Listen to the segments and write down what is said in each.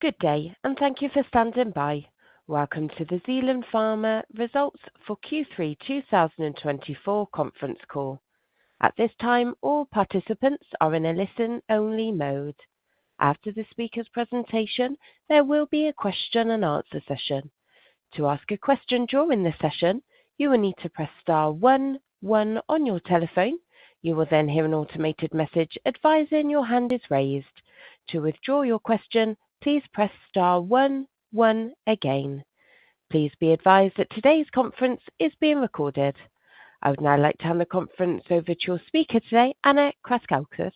Good day, and thank you for standing by. Welcome to the Zealand Pharma Results for Q3 2024 Conference Call. At this time, all participants are in a listen-only mode. After the speaker's presentation, there will be a question-and-answer session. To ask a question during the session, you will need to press star one, one on your telephone. You will then hear an automated message advising your hand is raised. To withdraw your question, please press star one, one again. Please be advised that today's conference is being recorded. I would now like to hand the conference over to your speaker today, Anna Krassowska.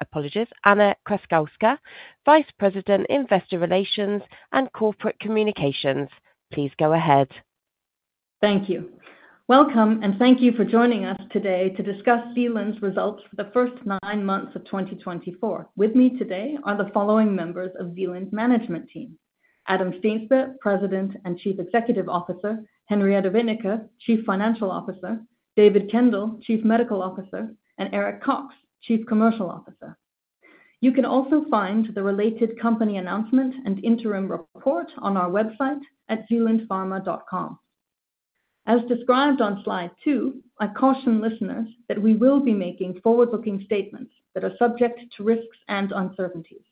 Apologies, Anna Krassowska, Vice President, Investor Relations and Corporate Communications. Please go ahead. Thank you. Welcome, and thank you for joining us today to discuss Zealand's results for the first nine months of 2024. With me today are the following members of Zealand's management team: Adam Steensberg, President and Chief Executive Officer; Henriette Wennicke, Chief Financial Officer; David Kendall, Chief Medical Officer; and Eric Cox, Chief Commercial Officer. You can also find the related company announcement and interim report on our website at zealandpharma.com. As described on slide two, I caution listeners that we will be making forward-looking statements that are subject to risks and uncertainties.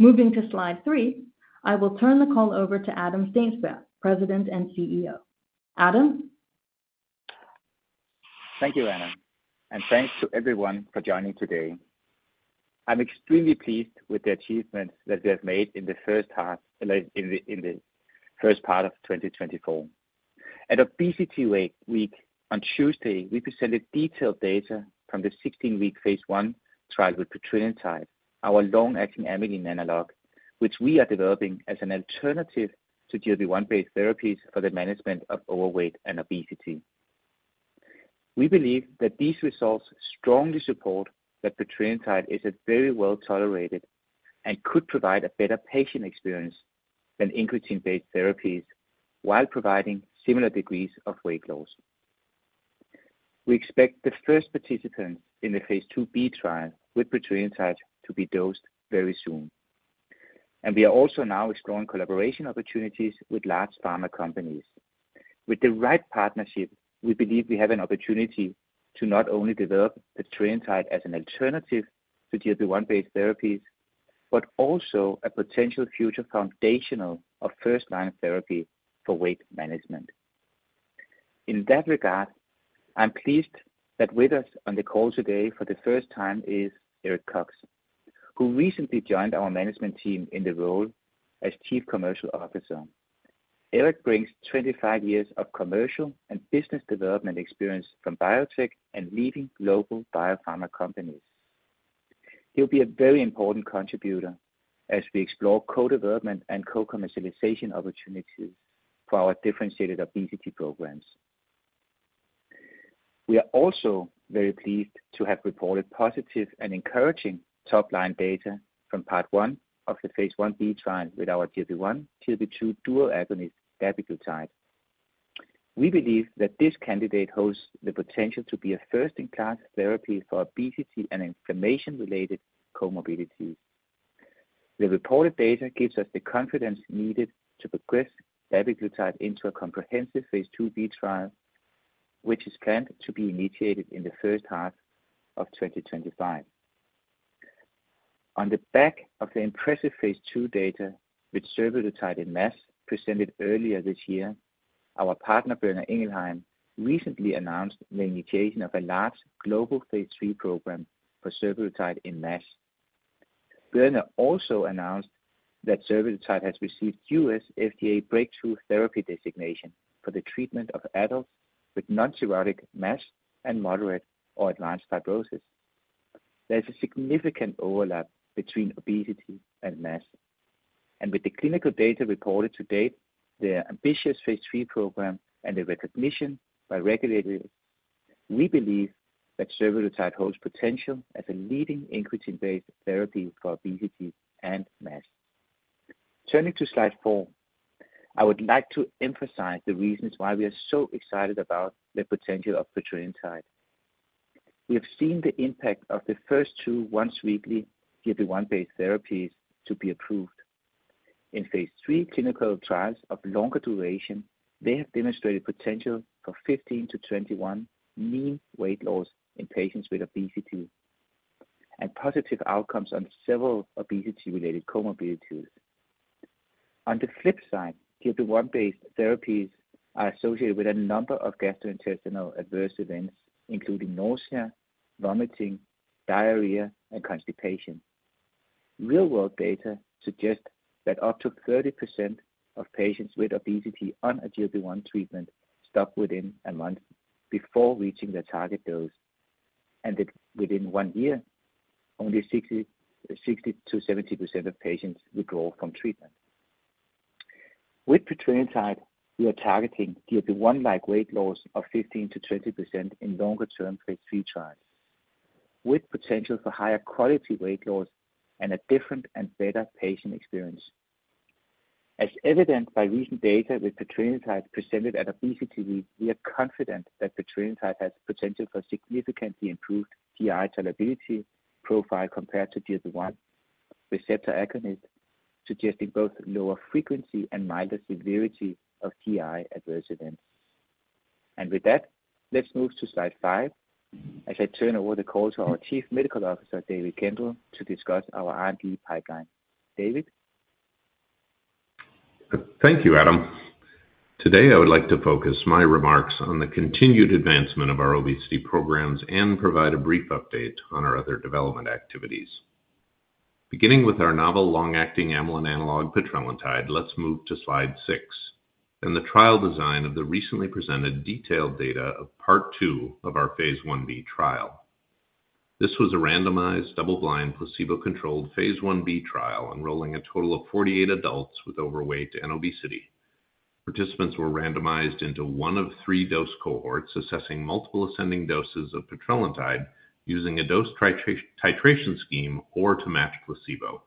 Moving to slide three, I will turn the call over to Adam Steensberg, President and CEO. Adam? Thank you, Anna, and thanks to everyone for joining today. I'm extremely pleased with the achievements that we have made in the first half, in the first part of 2024. At ObesityWeek on Tuesday, we presented detailed data from the 16-week phase one trial with petrelintide, our long-acting amylin analog, which we are developing as an alternative to GLP-1-based therapies for the management of overweight and obesity. We believe that these results strongly support that petrelintide is very well tolerated and could provide a better patient experience than incretin-based therapies while providing similar degrees of weight loss. We expect the first participants in the phase II-B trial with petrelintide to be dosed very soon, and we are also now exploring collaboration opportunities with large pharma companies. With the right partnership, we believe we have an opportunity to not only develop petrelintide as an alternative to GLP-1-based therapies, but also a potential future foundational or first-line therapy for weight management. In that regard, I'm pleased that with us on the call today for the first time is Eric Cox, who recently joined our management team in the role as Chief Commercial Officer. Eric brings 25 years of commercial and business development experience from biotech and leading global biopharma companies. He'll be a very important contributor as we explore co-development and co-commercialization opportunities for our differentiated obesity programs. We are also very pleased to have reported positive and encouraging top-line data from part one of the phase I-B trial with our GLP-1, GLP-2 dual agonist dapiglutide. We believe that this candidate holds the potential to be a first-in-class therapy for obesity and inflammation-related comorbidities. The reported data gives us the confidence needed to progress dapiglutide into a comprehensive phase II-B trial, which is planned to be initiated in the first half of 2025. On the back of the impressive phase II data with survodutide in MASH presented earlier this year, our partner Boehringer Ingelheim recently announced the initiation of a large global phase III program for survodutide in MASH. Boehringer also announced that survodutide has received U.S. FDA breakthrough therapy designation for the treatment of adults with non-cirrhotic MASH and moderate or advanced fibrosis. There is a significant overlap between obesity and MASH, and with the clinical data reported to date, the ambitious phase III program, and the recognition by regulators, we believe that survodutide holds potential as a leading GLP-1-based therapy for obesity and MASH. Turning to slide four, I would like to emphasize the reasons why we are so excited about the potential of petrelintide. We have seen the impact of the first two once-weekly GLP-1-based therapies to be approved. In phase III clinical trials of longer duration, they have demonstrated potential for 15%-21% mean weight loss in patients with obesity and positive outcomes on several obesity-related comorbidities. On the flip side, GLP-1-based therapies are associated with a number of gastrointestinal adverse events, including nausea, vomiting, diarrhea, and constipation. Real-world data suggest that up to 30% of patients with obesity on a GLP-1 treatment stop within a month before reaching their target dose, and that within one year, only 60%-70% of patients withdraw from treatment. With petrelintide, we are targeting GLP-1-like weight loss of 15%-20% in longer-term phase three trials, with potential for higher quality weight loss and a different and better patient experience. As evident by recent data with petrelintide presented at ObesityWeek, we are confident that petrelintide has potential for significantly improved GI tolerability profile compared to GLP-1 receptor agonist, suggesting both lower frequency and milder severity of GI adverse events. And with that, let's move to slide five as I turn over the call to our Chief Medical Officer, David Kendall, to discuss our R&D pipeline. David? Thank you, Adam. Today, I would like to focus my remarks on the continued advancement of our obesity programs and provide a brief update on our other development activities. Beginning with our novel long-acting amylin analog, petrelintide, let's move to slide six and the trial design of the recently presented detailed data of part two of our phase I-B trial. This was a randomized double-blind placebo-controlled phase I-B trial enrolling a total of 48 adults with overweight and obesity. Participants were randomized into one of three dose cohorts assessing multiple ascending doses of petrelintide using a dose titration scheme or to match placebo.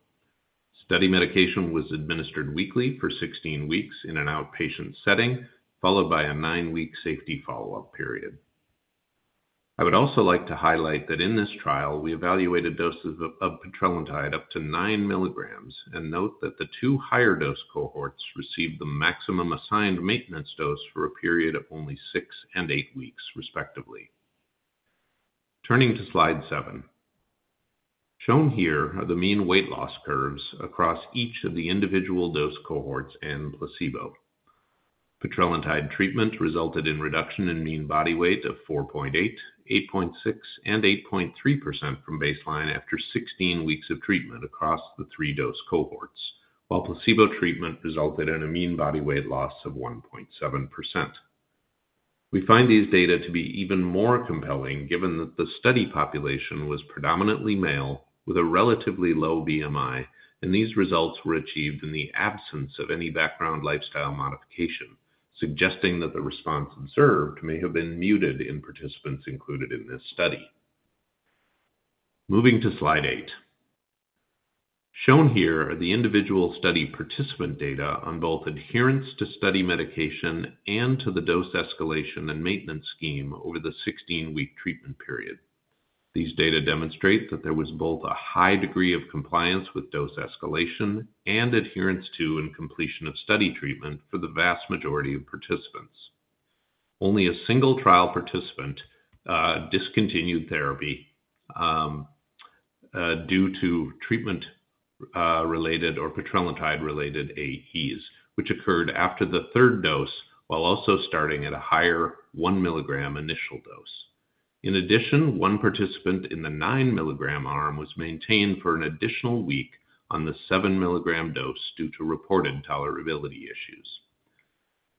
Study medication was administered weekly for 16 weeks in an outpatient setting, followed by a nine-week safety follow-up period. I would also like to highlight that in this trial, we evaluated doses of petrelintide up to nine milligrams and note that the two higher dose cohorts received the maximum assigned maintenance dose for a period of only six and eight weeks, respectively. Turning to slide seven, shown here are the mean weight loss curves across each of the individual dose cohorts and placebo. Petrelintide treatment resulted in reduction in mean body weight of 4.8%, 8.6%, and 8.3% from baseline after 16 weeks of treatment across the three dose cohorts, while placebo treatment resulted in a mean body weight loss of 1.7%. We find these data to be even more compelling given that the study population was predominantly male with a relatively low BMI, and these results were achieved in the absence of any background lifestyle modification, suggesting that the response observed may have been muted in participants included in this study. Moving to slide eight, shown here are the individual study participant data on both adherence to study medication and to the dose escalation and maintenance scheme over the 16-week treatment period. These data demonstrate that there was both a high degree of compliance with dose escalation and adherence to and completion of study treatment for the vast majority of participants. Only a single trial participant discontinued therapy due to treatment-related or petrelintide-related AEs, which occurred after the third dose while also starting at a higher one milligram initial dose. In addition, one participant in the nine milligram arm was maintained for an additional week on the seven milligram dose due to reported tolerability issues.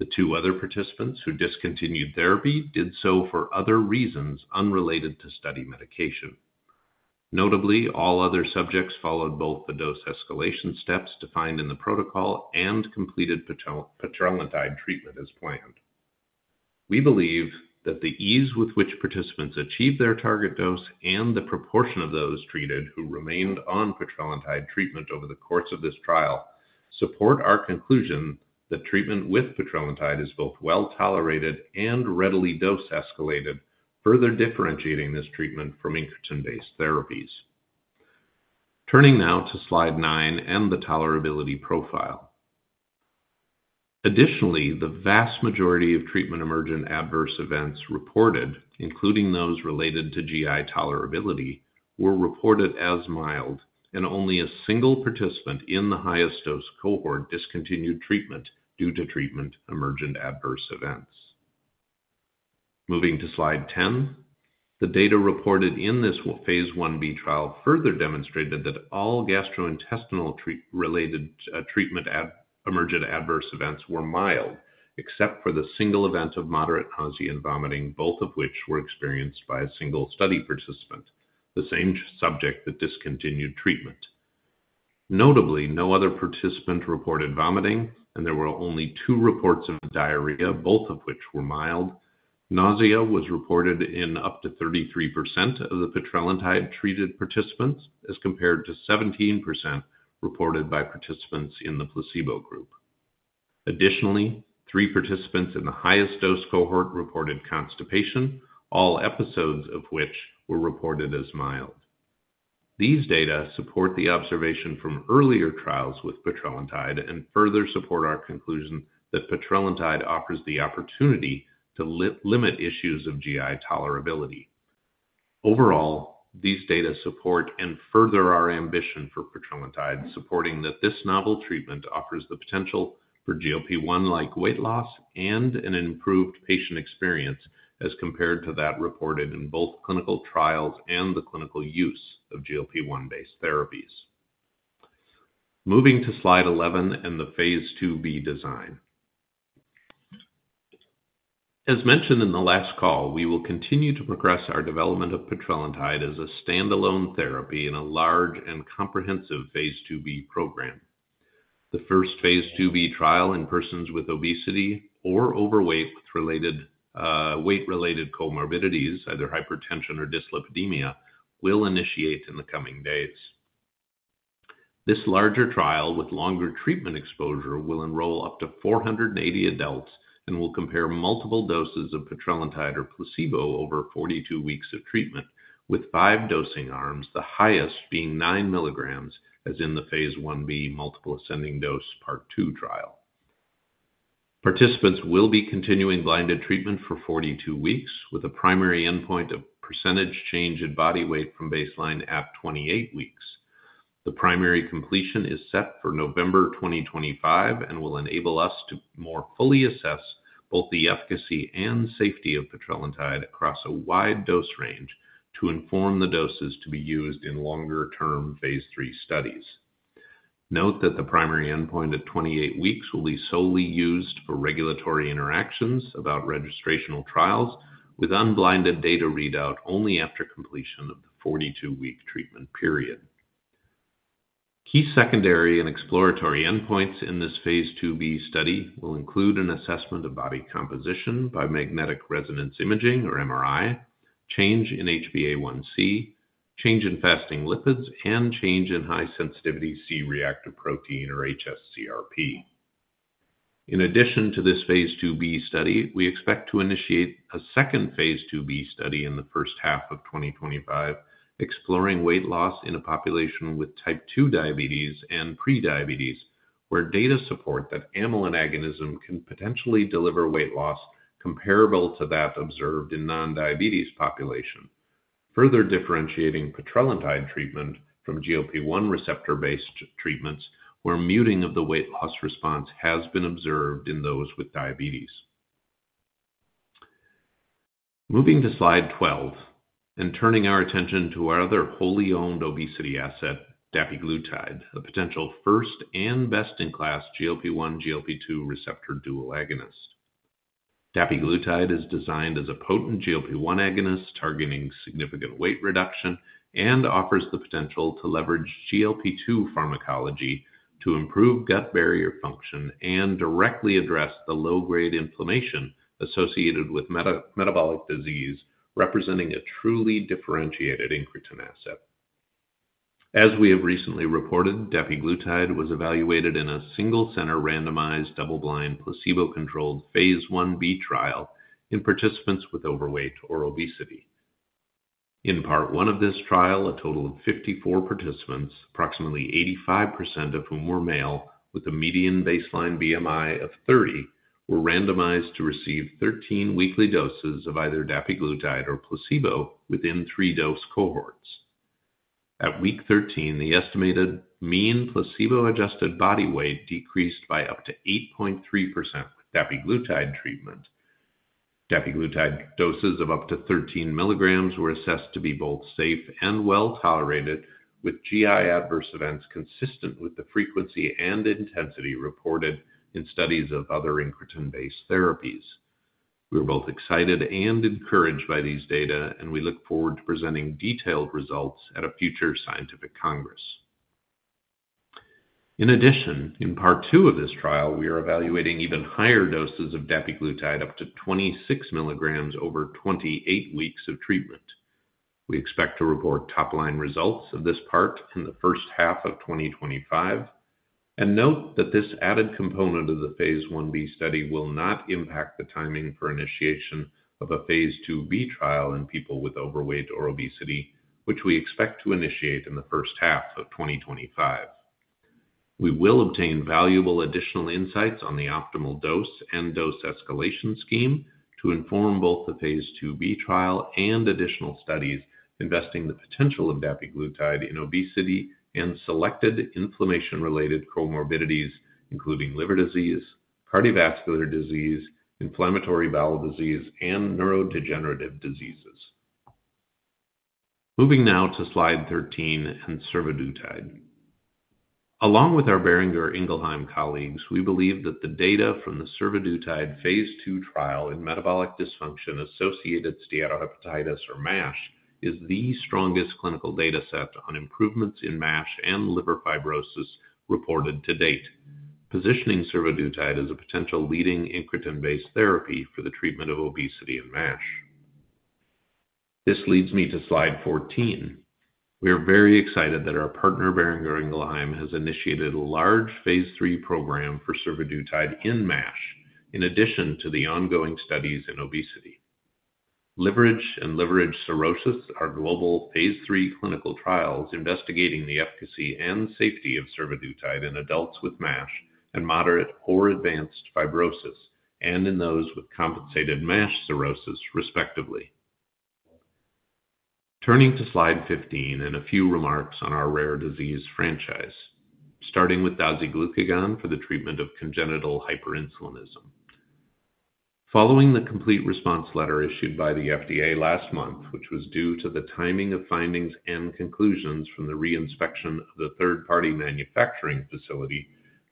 The two other participants who discontinued therapy did so for other reasons unrelated to study medication. Notably, all other subjects followed both the dose escalation steps defined in the protocol and completed petrelintide treatment as planned. We believe that the ease with which participants achieved their target dose and the proportion of those treated who remained on petrelintide treatment over the course of this trial support our conclusion that treatment with petrelintide is both well tolerated and readily dose escalated, further differentiating this treatment from incretin-based therapies. Turning now to slide nine and the tolerability profile. Additionally, the vast majority of treatment-emergent adverse events reported, including those related to GI tolerability, were reported as mild, and only a single participant in the highest dose cohort discontinued treatment due to treatment-emergent adverse events. Moving to slide 10, the data reported in this phase I-B trial further demonstrated that all gastrointestinal-related treatment-emergent adverse events were mild, except for the single event of moderate nausea and vomiting, both of which were experienced by a single study participant, the same subject that discontinued treatment. Notably, no other participant reported vomiting, and there were only two reports of diarrhea, both of which were mild. Nausea was reported in up to 33% of the petrelintide-treated participants as compared to 17% reported by participants in the placebo group. Additionally, three participants in the highest dose cohort reported constipation, all episodes of which were reported as mild. These data support the observation from earlier trials with petrelintide and further support our conclusion that petrelintide offers the opportunity to limit issues of GI tolerability. Overall, these data support and further our ambition for petrelintide, supporting that this novel treatment offers the potential for GLP-1-like weight loss and an improved patient experience as compared to that reported in both clinical trials and the clinical use of GLP-1-based therapies. Moving to slide 11 and the phase II-B design. As mentioned in the last call, we will continue to progress our development of petrelintide as a standalone therapy in a large and comprehensive phase II-B program. The first phase II-B trial in persons with obesity or overweight-related comorbidities, either hypertension or dyslipidemia, will initiate in the coming days. This larger trial with longer treatment exposure will enroll up to 480 adults and will compare multiple doses of petrelintide or placebo over 42 weeks of treatment, with five dosing arms, the highest being nine milligrams, as in the phase I-B multiple ascending dose part two trial. Participants will be continuing blinded treatment for 42 weeks with a primary endpoint of percentage change in body weight from baseline at 28 weeks. The primary completion is set for November 2025 and will enable us to more fully assess both the efficacy and safety of petrelintide across a wide dose range to inform the doses to be used in longer-term phase III studies. Note that the primary endpoint at 28 weeks will be solely used for regulatory interactions about registrational trials, with unblinded data readout only after completion of the 42-week treatment period. Key secondary and exploratory endpoints in this phase II-B study will include an assessment of body composition by magnetic resonance imaging or MRI, change in HbA1c, change in fasting lipids, and change in high-sensitivity C-reactive protein or hs-CRP. In addition to this phase II-B study, we expect to initiate a second phase II-B study in the first half of 2025, exploring weight loss in a population with Type 2 diabetes and prediabetes, where data support that amylin agonism can potentially deliver weight loss comparable to that observed in non-diabetes population, further differentiating petrelintide treatment from GLP-1 receptor-based treatments where muting of the weight loss response has been observed in those with diabetes. Moving to slide 12 and turning our attention to our other wholly owned obesity asset, dapiglutide, a potential first and best-in-class GLP-1, GLP-2 receptor dual agonist. Dapiglutide is designed as a potent GLP-1 agonist targeting significant weight reduction and offers the potential to leverage GLP-2 pharmacology to improve gut barrier function and directly address the low-grade inflammation associated with metabolic disease, representing a truly differentiated incretin asset. As we have recently reported, dapiglutide was evaluated in a single-center randomized double-blind placebo-controlled phase I-B trial in participants with overweight or obesity. In part one of this trial, a total of 54 participants, approximately 85% of whom were male, with a median baseline BMI of 30, were randomized to receive 13 weekly doses of either dapiglutide or placebo within three dose cohorts. At week 13, the estimated mean placebo-adjusted body weight decreased by up to 8.3% with dapiglutide treatment. Dapiglutide doses of up to 13 milligrams were assessed to be both safe and well tolerated, with GI adverse events consistent with the frequency and intensity reported in studies of other incretin-based therapies. We are both excited and encouraged by these data, and we look forward to presenting detailed results at a future scientific congress. In addition, in part two of this trial, we are evaluating even higher doses of dapiglutide up to 26 milligrams over 28 weeks of treatment. We expect to report top-line results of this part in the first half of 2025, and note that this added component of the phase I-B study will not impact the timing for initiation of a phase II-B trial in people with overweight or obesity, which we expect to initiate in the first half of 2025. We will obtain valuable additional insights on the optimal dose and dose escalation scheme to inform both the phase II-B trial and additional studies investigating the potential of dapiglutide in obesity and selected inflammation-related comorbidities, including liver disease, cardiovascular disease, inflammatory bowel disease, and neurodegenerative diseases. Moving now to slide 13 and survodutide. Along with our Boehringer Ingelheim colleagues, we believe that the data from the survodutide phase II trial in metabolic dysfunction-associated steatohepatitis or MASH is the strongest clinical data set on improvements in MASH and liver fibrosis reported to date, positioning survodutide as a potential leading incretin-based therapy for the treatment of obesity and MASH. This leads me to slide 14. We are very excited that our partner, Boehringer Ingelheim, has initiated a large phase III program for survodutide in MASH, in addition to the ongoing studies in obesity. LIVERAGE and LIVERAGE-Cirrhosis are global phase III clinical trials investigating the efficacy and safety of survodutide in adults with MASH and moderate or advanced fibrosis, and in those with compensated MASH cirrhosis, respectively. Turning to slide 15 and a few remarks on our rare disease franchise, starting with dasiglucagon for the treatment of congenital hyperinsulinism. Following the complete response letter issued by the FDA last month, which was due to the timing of findings and conclusions from the reinspection of the third-party manufacturing facility,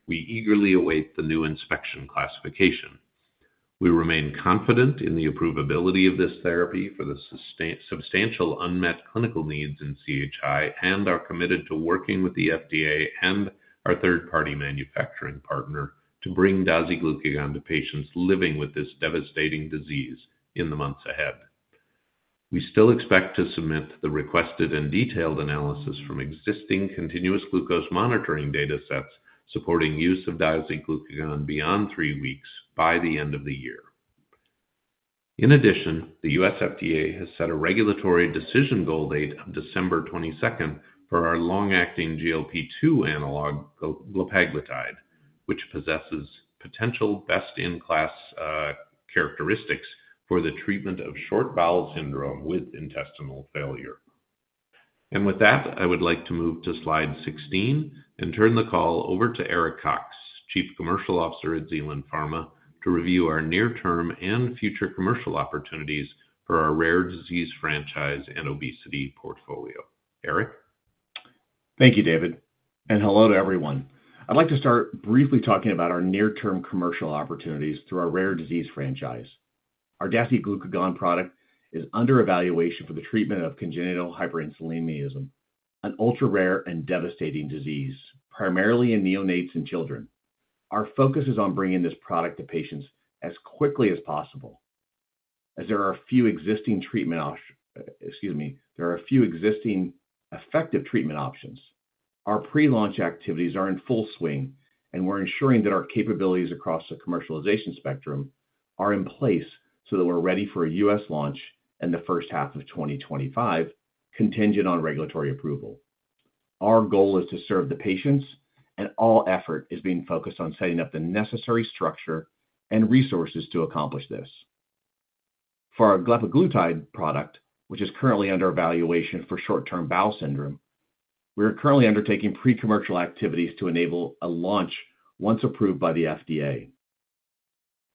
we eagerly await the new inspection classification. We remain confident in the approvability of this therapy for the substantial unmet clinical needs in CHI and are committed to working with the FDA and our third-party manufacturing partner to bring dasiglucagon to patients living with this devastating disease in the months ahead. We still expect to submit the requested and detailed analysis from existing continuous glucose monitoring data sets supporting use of dasiglucagon beyond three weeks by the end of the year. In addition, the U.S. FDA has set a regulatory decision goal date of December 22nd for our long-acting GLP-2 analog, glepaglutide, which possesses potential best-in-class characteristics for the treatment of short bowel syndrome with intestinal failure. And with that, I would like to move to slide 16 and turn the call over to Eric Cox, Chief Commercial Officer at Zealand Pharma, to review our near-term and future commercial opportunities for our rare disease franchise and obesity portfolio. Eric? Thank you, David. And hello to everyone. I'd like to start briefly talking about our near-term commercial opportunities through our rare disease franchise. Our dasiglucagon product is under evaluation for the treatment of congenital hyperinsulinism, an ultra-rare and devastating disease, primarily in neonates and children. Our focus is on bringing this product to patients as quickly as possible. As there are a few existing treatment options, excuse me, there are a few existing effective treatment options. Our pre-launch activities are in full swing, and we're ensuring that our capabilities across the commercialization spectrum are in place so that we're ready for a U.S. launch in the first half of 2025, contingent on regulatory approval. Our goal is to serve the patients, and all effort is being focused on setting up the necessary structure and resources to accomplish this. For our glepaglutide product, which is currently under evaluation for short bowel syndrome, we are currently undertaking pre-commercial activities to enable a launch once approved by the FDA.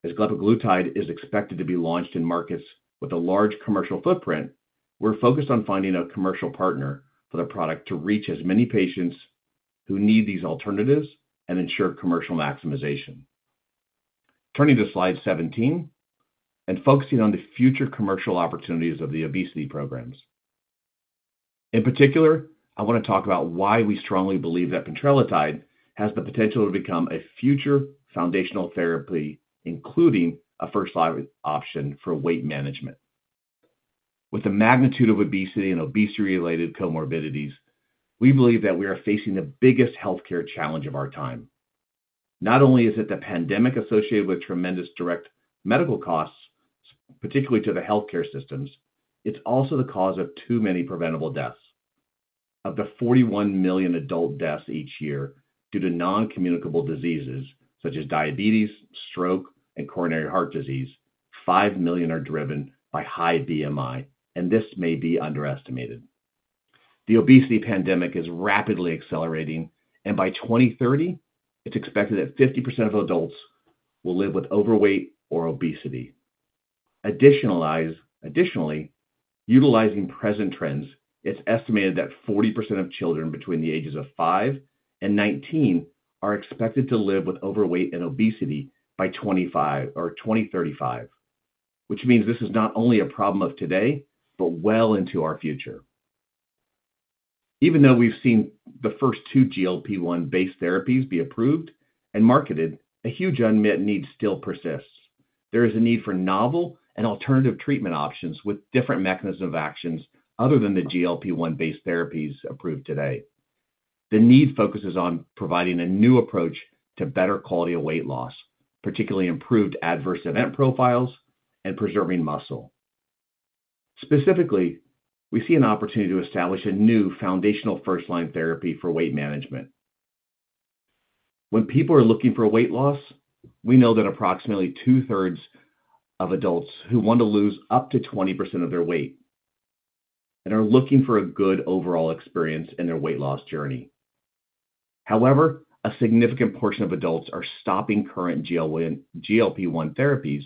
As glepaglutide is expected to be launched in markets with a large commercial footprint, we're focused on finding a commercial partner for the product to reach as many patients who need these alternatives and ensure commercial maximization. Turning to slide 17 and focusing on the future commercial opportunities of the obesity programs. In particular, I want to talk about why we strongly believe that petrelintide has the potential to become a future foundational therapy, including a first-line option for weight management. With the magnitude of obesity and obesity-related comorbidities, we believe that we are facing the biggest healthcare challenge of our time. Not only is it the pandemic associated with tremendous direct medical costs, particularly to the healthcare systems, it's also the cause of too many preventable deaths. Of the 41 million adult deaths each year due to noncommunicable diseases such as diabetes, stroke, and coronary heart disease, 5 million are driven by high BMI, and this may be underestimated. The obesity pandemic is rapidly accelerating, and by 2030, it's expected that 50% of adults will live with overweight or obesity. Additionally, utilizing present trends, it's estimated that 40% of children between the ages of 5 and 19 are expected to live with overweight and obesity by 2035, which means this is not only a problem of today, but well into our future. Even though we've seen the first two GLP-1-based therapies be approved and marketed, a huge unmet need still persists. There is a need for novel and alternative treatment options with different mechanisms of action other than the GLP-1-based therapies approved today. The need focuses on providing a new approach to better quality of weight loss, particularly improved adverse event profiles and preserving muscle. Specifically, we see an opportunity to establish a new foundational first-line therapy for weight management. When people are looking for weight loss, we know that approximately 2/3 of adults who want to lose up to 20% of their weight and are looking for a good overall experience in their weight loss journey. However, a significant portion of adults are stopping current GLP-1 therapies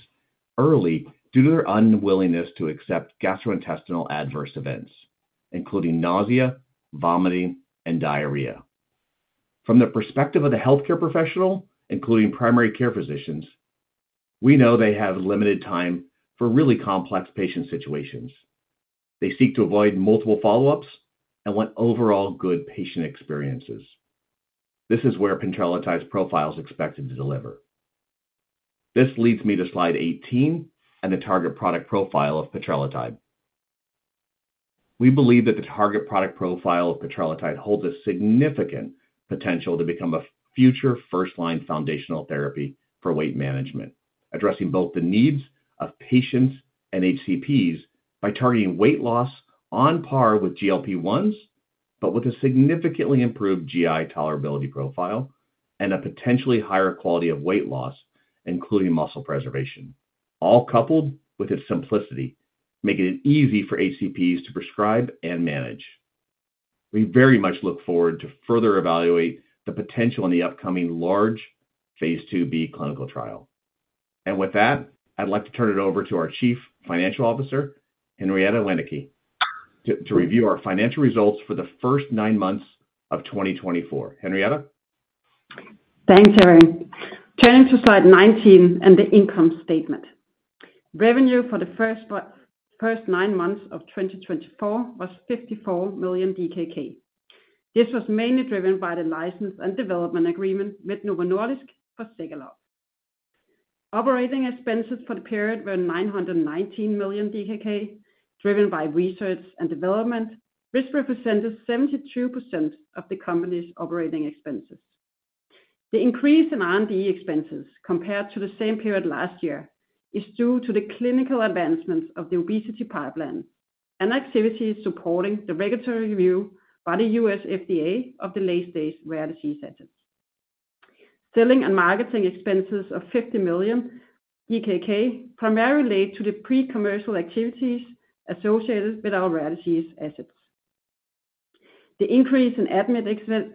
early due to their unwillingness to accept gastrointestinal adverse events, including nausea, vomiting, and diarrhea. From the perspective of the healthcare professional, including primary care physicians, we know they have limited time for really complex patient situations. They seek to avoid multiple follow-ups and want overall good patient experiences. This is where petrelintide's profile is expected to deliver. This leads me to slide 18 and the target product profile of petrelintide. We believe that the target product profile of petrelintide holds a significant potential to become a future first-line foundational therapy for weight management, addressing both the needs of patients and HCPs by targeting weight loss on par with GLP-1s, but with a significantly improved GI tolerability profile and a potentially higher quality of weight loss, including muscle preservation. All coupled with its simplicity, making it easy for HCPs to prescribe and manage. We very much look forward to further evaluating the potential in the upcoming large phase II-B clinical trial. And with that, I'd like to turn it over to our Chief Financial Officer, Henriette Wennicke, to review our financial results for the first nine months of 2024. Henriette? Thanks, Eric. Turning to slide 19 and the income statement. Revenue for the first nine months of 2024 was 54 million DKK. This was mainly driven by the license and development agreement with Novo Nordisk for Zegalogue. Operating expenses for the period were 919 million DKK, driven by research and development, which represented 72% of the company's operating expenses. The increase in R&D expenses compared to the same period last year is due to the clinical advancements of the obesity pipeline and activities supporting the regulatory review by the U.S. FDA of the latest rare disease assets. Selling and marketing expenses of 50 million primarily led to the pre-commercial activities associated with our rare disease assets. The increase in admin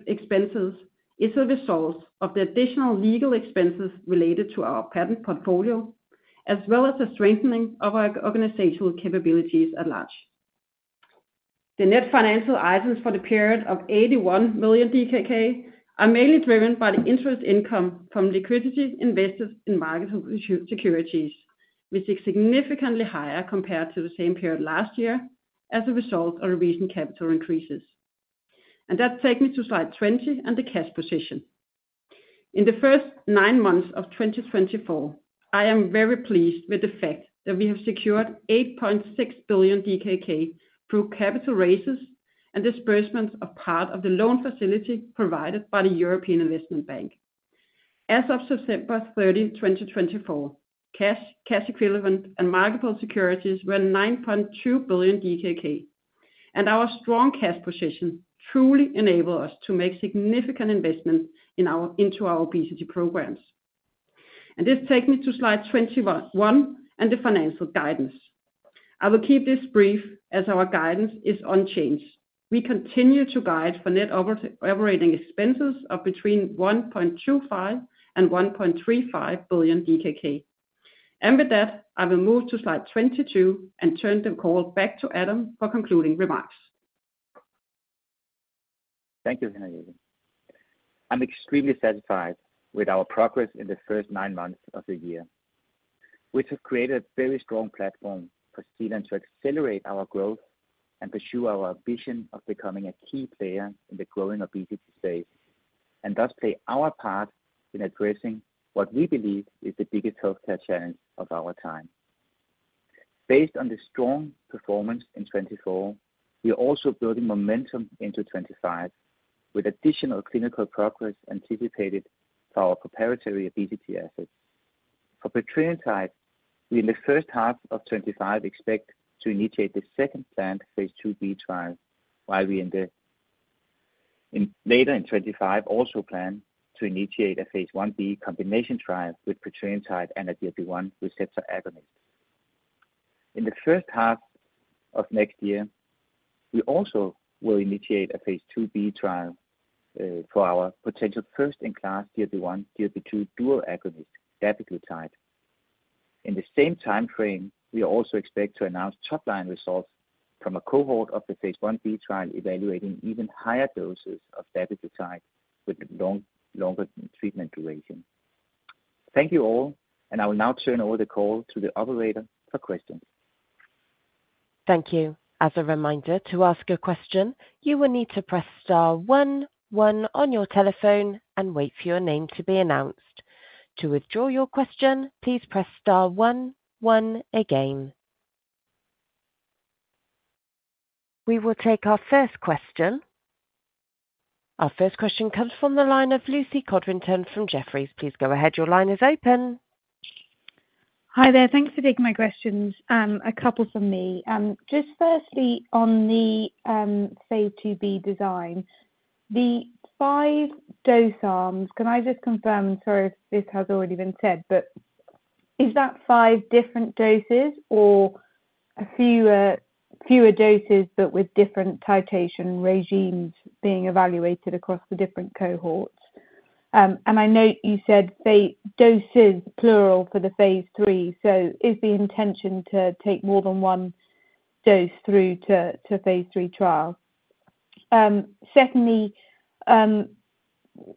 expenses is a result of the additional legal expenses related to our patent portfolio, as well as the strengthening of our organizational capabilities at large. The net financial items for the period of 81 million DKK are mainly driven by the interest income from liquidity invested in market securities, which is significantly higher compared to the same period last year as a result of recent capital increases, and that takes me to slide 20 and the cash position. In the first nine months of 2024, I am very pleased with the fact that we have secured 8.6 billion DKK through capital raises and disbursements of part of the loan facility provided by the European Investment Bank. As of September 30, 2024, cash, cash equivalents, and marketable securities were 9.2 billion DKK, and our strong cash position truly enabled us to make significant investments into our obesity programs, and this takes me to slide 21 and the financial guidance. I will keep this brief as our guidance is unchanged. We continue to guide for net operating expenses of between 1.25 billion and 1.35 billion DKK. And with that, I will move to slide 22 and turn the call back to Adam for concluding remarks. Thank you, Henriette. I'm extremely satisfied with our progress in the first nine months of the year, which has created a very strong platform for Zealand to accelerate our growth and pursue our vision of becoming a key player in the growing obesity space and thus play our part in addressing what we believe is the biggest healthcare challenge of our time. Based on the strong performance in 2024, we are also building momentum into 2025 with additional clinical progress anticipated for our proprietary obesity assets. For petrelintide, we in the first half of 25 expect to initiate the second planned phase II-B trial, while we in later in 25 also plan to initiate a phase I-B combination trial with petrelintide and a GLP-1 receptor agonist. In the first half of next year, we also will initiate a phase II-B trial for our potential first-in-class GLP-1, GLP-2 dual agonist, dapiglutide. In the same time frame, we also expect to announce top-line results from a cohort of the phase I-B trial evaluating even higher doses of dapiglutide with longer treatment duration. Thank you all, and I will now turn over the call to the operator for questions. Thank you. As a reminder, to ask a question, you will need to press star one, one on your telephone and wait for your name to be announced. To withdraw your question, please press star one, one again. We will take our first question. Our first question comes from the line of Lucy Codrington from Jefferies. Please go ahead. Your line is open. Hi there. Thanks for taking my questions. A couple from me. Just firstly, on the phase II-B design, the five dose arms, can I just confirm? I'm sorry if this has already been said, but is that five different doses or fewer doses, but with different titration regimes being evaluated across the different cohorts? And I note you said doses, plural, for the phase III. So is the intention to take more than one dose through to phase III trial? Secondly,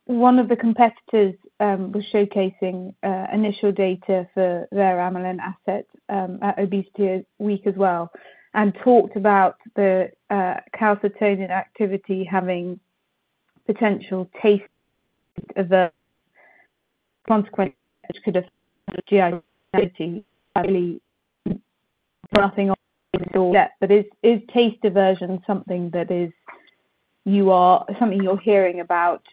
one of the competitors was showcasing initial data for their amylin asset at ObesityWeek as well and talked about the calcitonin activity having potential taste aversion. Consequence could affect GI clarity, really nothing obvious or yet, but is taste aversion something that is something you're hearing about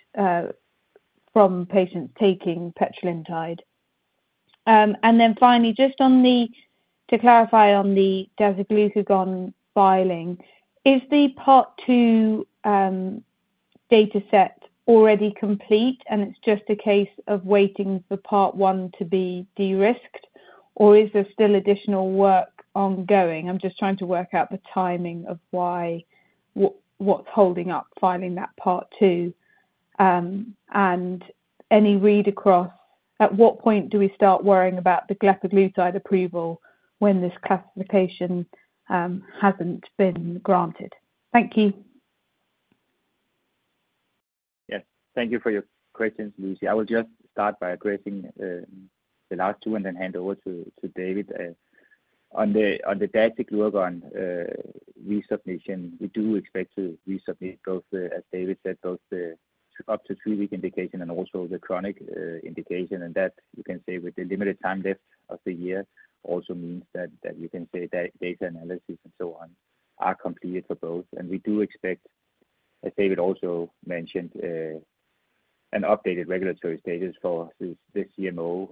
from patients taking petrelintide? And then finally, just to clarify on the dapiglutide filing, is the part two data set already complete and it's just a case of waiting for part one to be de-risked, or is there still additional work ongoing? I'm just trying to work out the timing of what's holding up filing that part two and any read across at what point do we start worrying about the glepaglutide approval when this classification hasn't been granted? Thank you. Yes. Thank you for your questions, Lucy. I will just start by addressing the last two and then hand over to David. On the dapiglutide resubmission, we do expect to resubmit both, as David said, both the up to three-week indication and also the chronic indication. That, you can say, with the limited time left of the year also means that you can say that data analysis and so on are completed for both. We do expect, as David also mentioned, an updated regulatory status for the CMO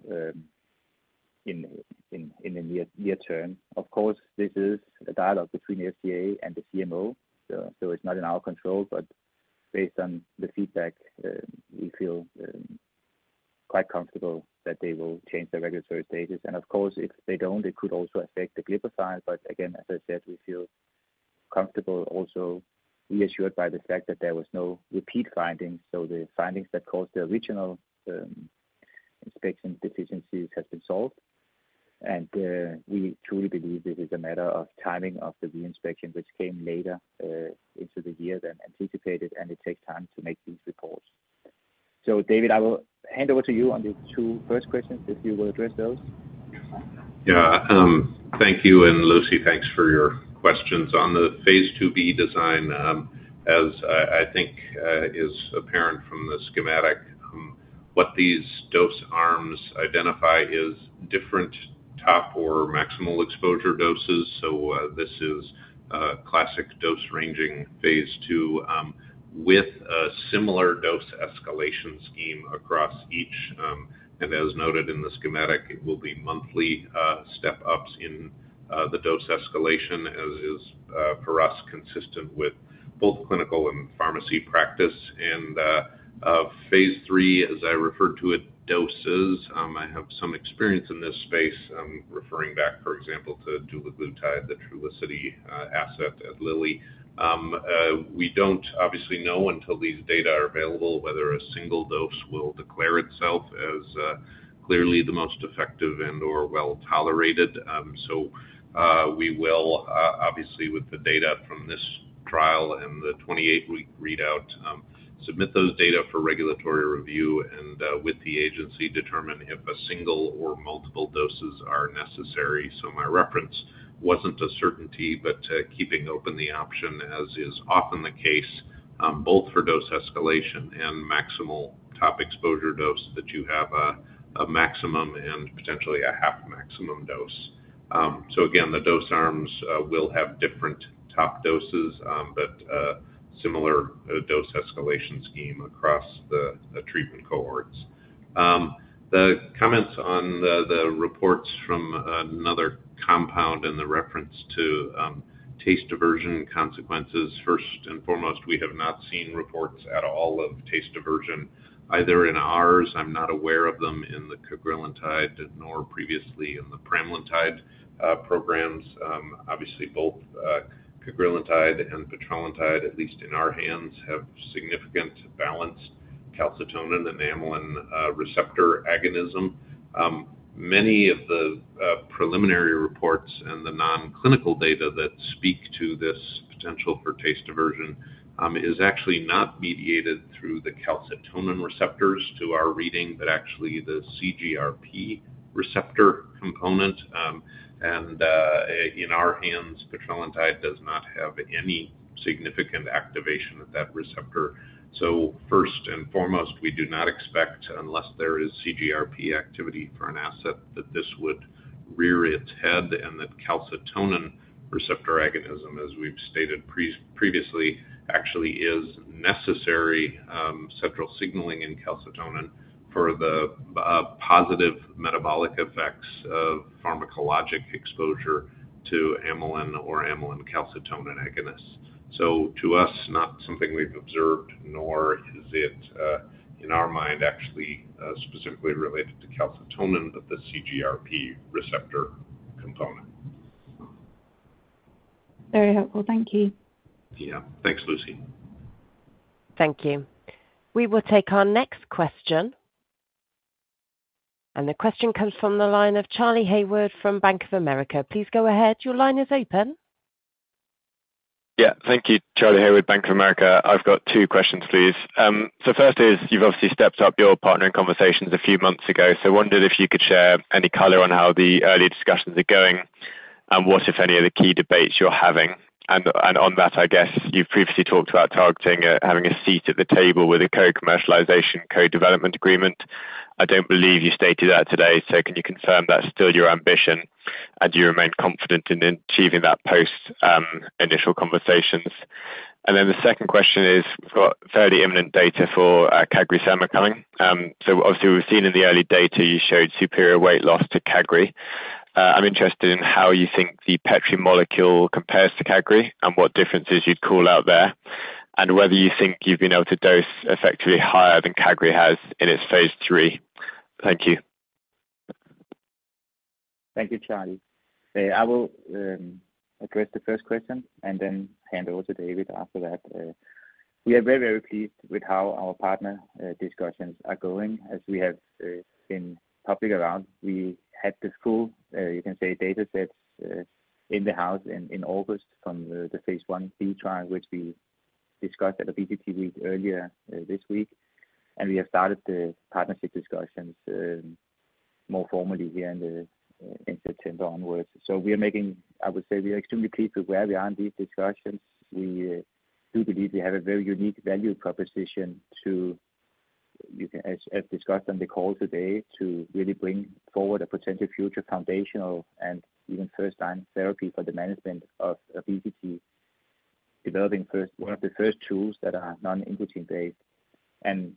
in the near term. Of course, this is a dialogue between the FDA and the CMO, so it's not in our control, but based on the feedback, we feel quite comfortable that they will change the regulatory status. Of course, if they don't, it could also affect the glepaglutide. But again, as I said, we feel comfortable also reassured by the fact that there were no repeat findings. The findings that caused the original inspection deficiencies have been solved. We truly believe this is a matter of timing of the reinspection, which came later into the year than anticipated, and it takes time to make these reports. So David, I will hand over to you on the two first questions if you will address those. Yeah. Thank you. And Lucy, thanks for your questions on the phase II-B design. As I think is apparent from the schematic, what these dose arms identify is different top or maximal exposure doses. So this is a classic dose ranging phase II with a similar dose escalation scheme across each. And as noted in the schematic, it will be monthly step-ups in the dose escalation, as is for us consistent with both clinical and pharmacy practice. And phase III, as I referred to it, doses. I have some experience in this space referring back, for example, to dulaglutide, the Trulicity asset at Lilly. We don't obviously know until these data are available whether a single dose will declare itself as clearly the most effective and/or well-tolerated. So we will obviously, with the data from this trial and the 28-week readout, submit those data for regulatory review and with the agency determine if a single or multiple doses are necessary. So my reference wasn't a certainty, but keeping open the option, as is often the case, both for dose escalation and maximal top exposure dose that you have a maximum and potentially a half maximum dose. So again, the dose arms will have different top doses, but similar dose escalation scheme across the treatment cohorts. The comments on the reports from another compound and the reference to taste aversion consequences. First and foremost, we have not seen reports at all of taste aversion either in ours. I'm not aware of them in the cagrilintide nor previously in the pramlintide programs. Obviously, both cagrilintide and petrelintide, at least in our hands, have significant balanced calcitonin and amylin receptor agonism. Many of the preliminary reports and the non-clinical data that speak to this potential for taste aversion is actually not mediated through the calcitonin receptors to our reading, but actually the CGRP receptor component. And in our hands, petrelintide does not have any significant activation of that receptor. So first and foremost, we do not expect, unless there is CGRP activity for an asset, that this would rear its head and that calcitonin receptor agonism, as we've stated previously, actually is necessary central signaling in calcitonin for the positive metabolic effects of pharmacologic exposure to amylin or amylin calcitonin agonist. So to us, not something we've observed, nor is it in our mind actually specifically related to calcitonin, but the CGRP receptor component. Very helpful. Thank you. Yeah. Thanks, Lucy. Thank you. We will take our next question. And the question comes from the line of Charlie Haywood from Bank of America. Please go ahead. Your line is open. Yeah. Thank you, Charlie Haywood, Bank of America. I've got two questions, please. So first is, you've obviously stepped up your partnering conversations a few months ago, so wondered if you could share any color on how the early discussions are going and what, if any, are the key debates you're having. And on that, I guess you've previously talked about targeting having a seat at the table with a co-commercialization co-development agreement. I don't believe you stated that today, so can you confirm that's still your ambition and you remain confident in achieving that post-initial conversations? And then the second question is, we've got fairly imminent data for CagriSema. So obviously, we've seen in the early data you showed superior weight loss to cagrilintide. I'm interested in how you think the petrelintide molecule compares to cagrilintide and what differences you'd call out there and whether you think you've been able to dose effectively higher than cagrilintide has in its phase III. Thank you. Thank you, Charlie. I will address the first question and then hand over to David after that. We are very, very pleased with how our partner discussions are going as we have been public around. We had the full, you can say, data sets in the house in August from the phase I-B trial, which we discussed at ObesityWeek earlier this week. And we have started the partnership discussions more formally here in September onwards. So we are making, I would say we are extremely pleased with where we are in these discussions. We do believe we have a very unique value proposition to, as discussed on the call today, to really bring forward a potential future foundational and even first-line therapy for the management of obesity, developing one of the first tools that are non-incretin-based. And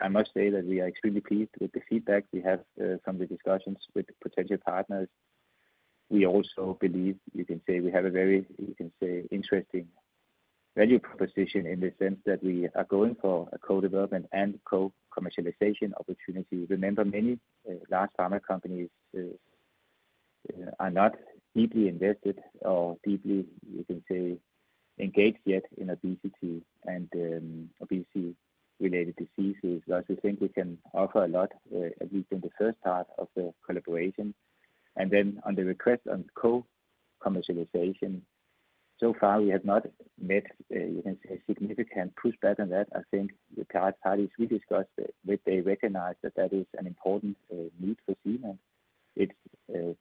I must say that we are extremely pleased with the feedback we have from the discussions with potential partners. We also believe we have a very interesting value proposition in the sense that we are going for a co-development and co-commercialization opportunity. Remember, many large pharma companies are not deeply invested or deeply engaged yet in obesity and obesity-related diseases. But we think we can offer a lot, at least in the first half of the collaboration. And then on the request on co-commercialization, so far we have not met significant pushback on that. I think the parties we discussed with, they recognize that that is an important need for us. It's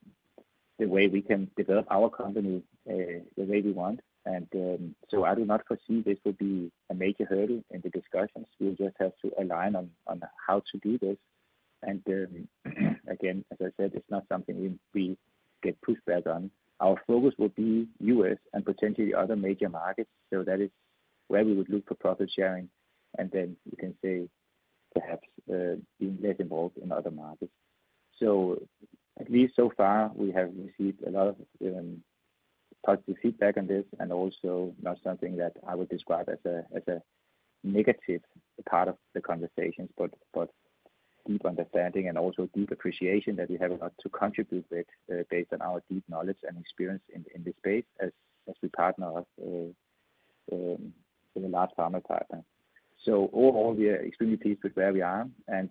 the way we can develop our company the way we want. And so I do not foresee this will be a major hurdle in the discussions. We'll just have to align on how to do this. Again, as I said, it's not something we get pushback on. Our focus will be U.S. and potentially other major markets. So that is where we would look for profit sharing. Then you can say perhaps being less involved in other markets. So at least so far, we have received a lot of positive feedback on this and also not something that I would describe as a negative part of the conversations, but deep understanding and also deep appreciation that we have a lot to contribute with based on our deep knowledge and experience in this space as we partner with a large pharma partner. So overall, we are extremely pleased with where we are and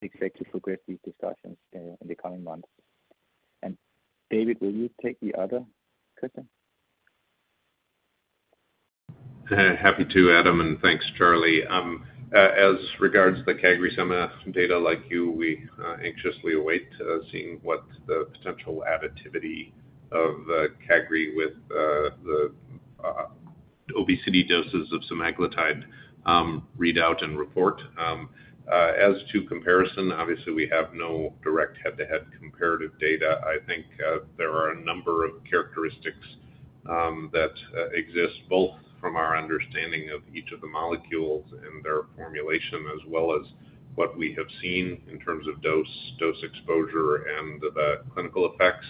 expect to progress these discussions in the coming months. David, will you take the other question? Happy to, Adam. Thanks, Charlie. As regards the CagriSema data, like you, we anxiously await seeing what the potential additivity of cagrilintide with the obesity doses of semaglutide readout and report. As to comparison, obviously, we have no direct head-to-head comparative data. I think there are a number of characteristics that exist both from our understanding of each of the molecules and their formulation, as well as what we have seen in terms of dose, dose exposure, and the clinical effects.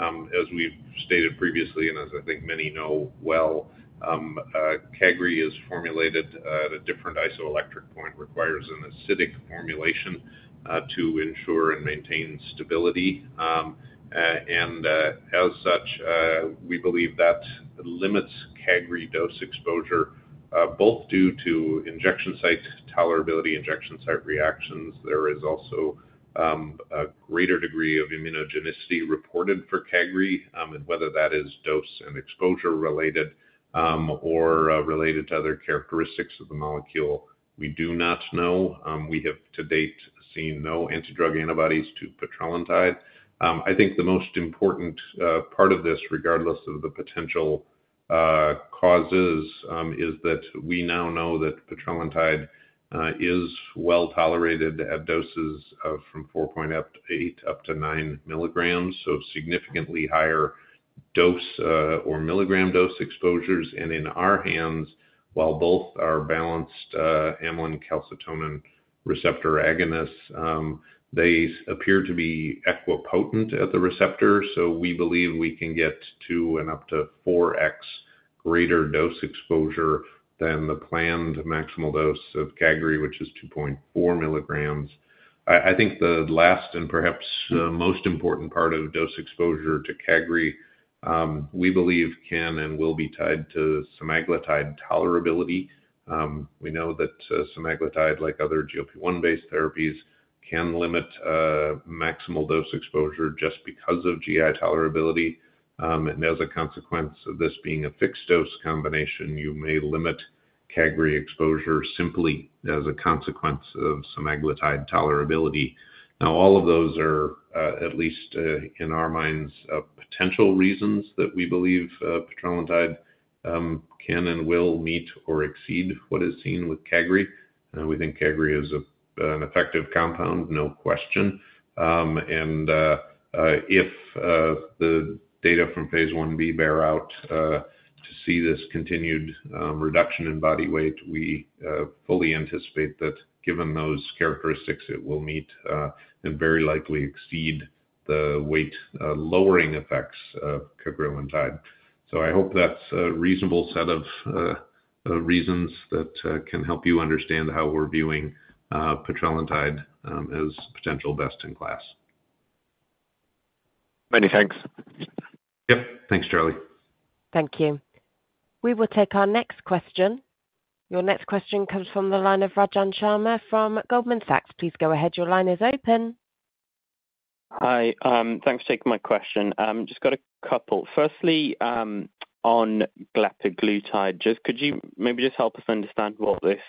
As we've stated previously and as I think many know well, cagrilintide is formulated at a different isoelectric point, requires an acidic formulation to ensure and maintain stability. And as such, we believe that limits cagrilintide dose exposure both due to injection site tolerability, injection site reactions. There is also a greater degree of immunogenicity reported for cagrilintide. Whether that is dose and exposure related or related to other characteristics of the molecule, we do not know. We have to date seen no antidrug antibodies to petrelintide. I think the most important part of this, regardless of the potential causes, is that we now know that petrelintide is well tolerated at doses from 4.8 up to 9 milligrams, so significantly higher dose or milligram dose exposures. In our hands, while both are balanced amylin calcitonin receptor agonists, they appear to be equipotent at the receptor. We believe we can get to an up to 4x greater dose exposure than the planned maximal dose of cagrilintide, which is 2.4 milligrams. I think the last and perhaps most important part of dose exposure to cagrilintide, we believe, can and will be tied to semaglutide tolerability. We know that semaglutide, like other GLP-1-based therapies, can limit maximal dose exposure just because of GI tolerability, and as a consequence of this being a fixed dose combination, you may limit cagrilintide exposure simply as a consequence of semaglutide tolerability. Now, all of those are, at least in our minds, potential reasons that we believe petrelintide can and will meet or exceed what is seen with cagrilintide. We think cagrilintide is an effective compound, no question, and if the data from phase I-B bear out to see this continued reduction in body weight, we fully anticipate that given those characteristics, it will meet and very likely exceed the weight lowering effects of cagrilintide, so I hope that's a reasonable set of reasons that can help you understand how we're viewing petrelintide as potential best-in-class. Many thanks. Yep. Thanks, Charlie. Thank you. We will take our next question. Your next question comes from the line of Rajan Sharma from Goldman Sachs. Please go ahead. Your line is open. Hi. Thanks for taking my question. Just got a couple. Firstly, on glepaglutide, could you maybe just help us understand what this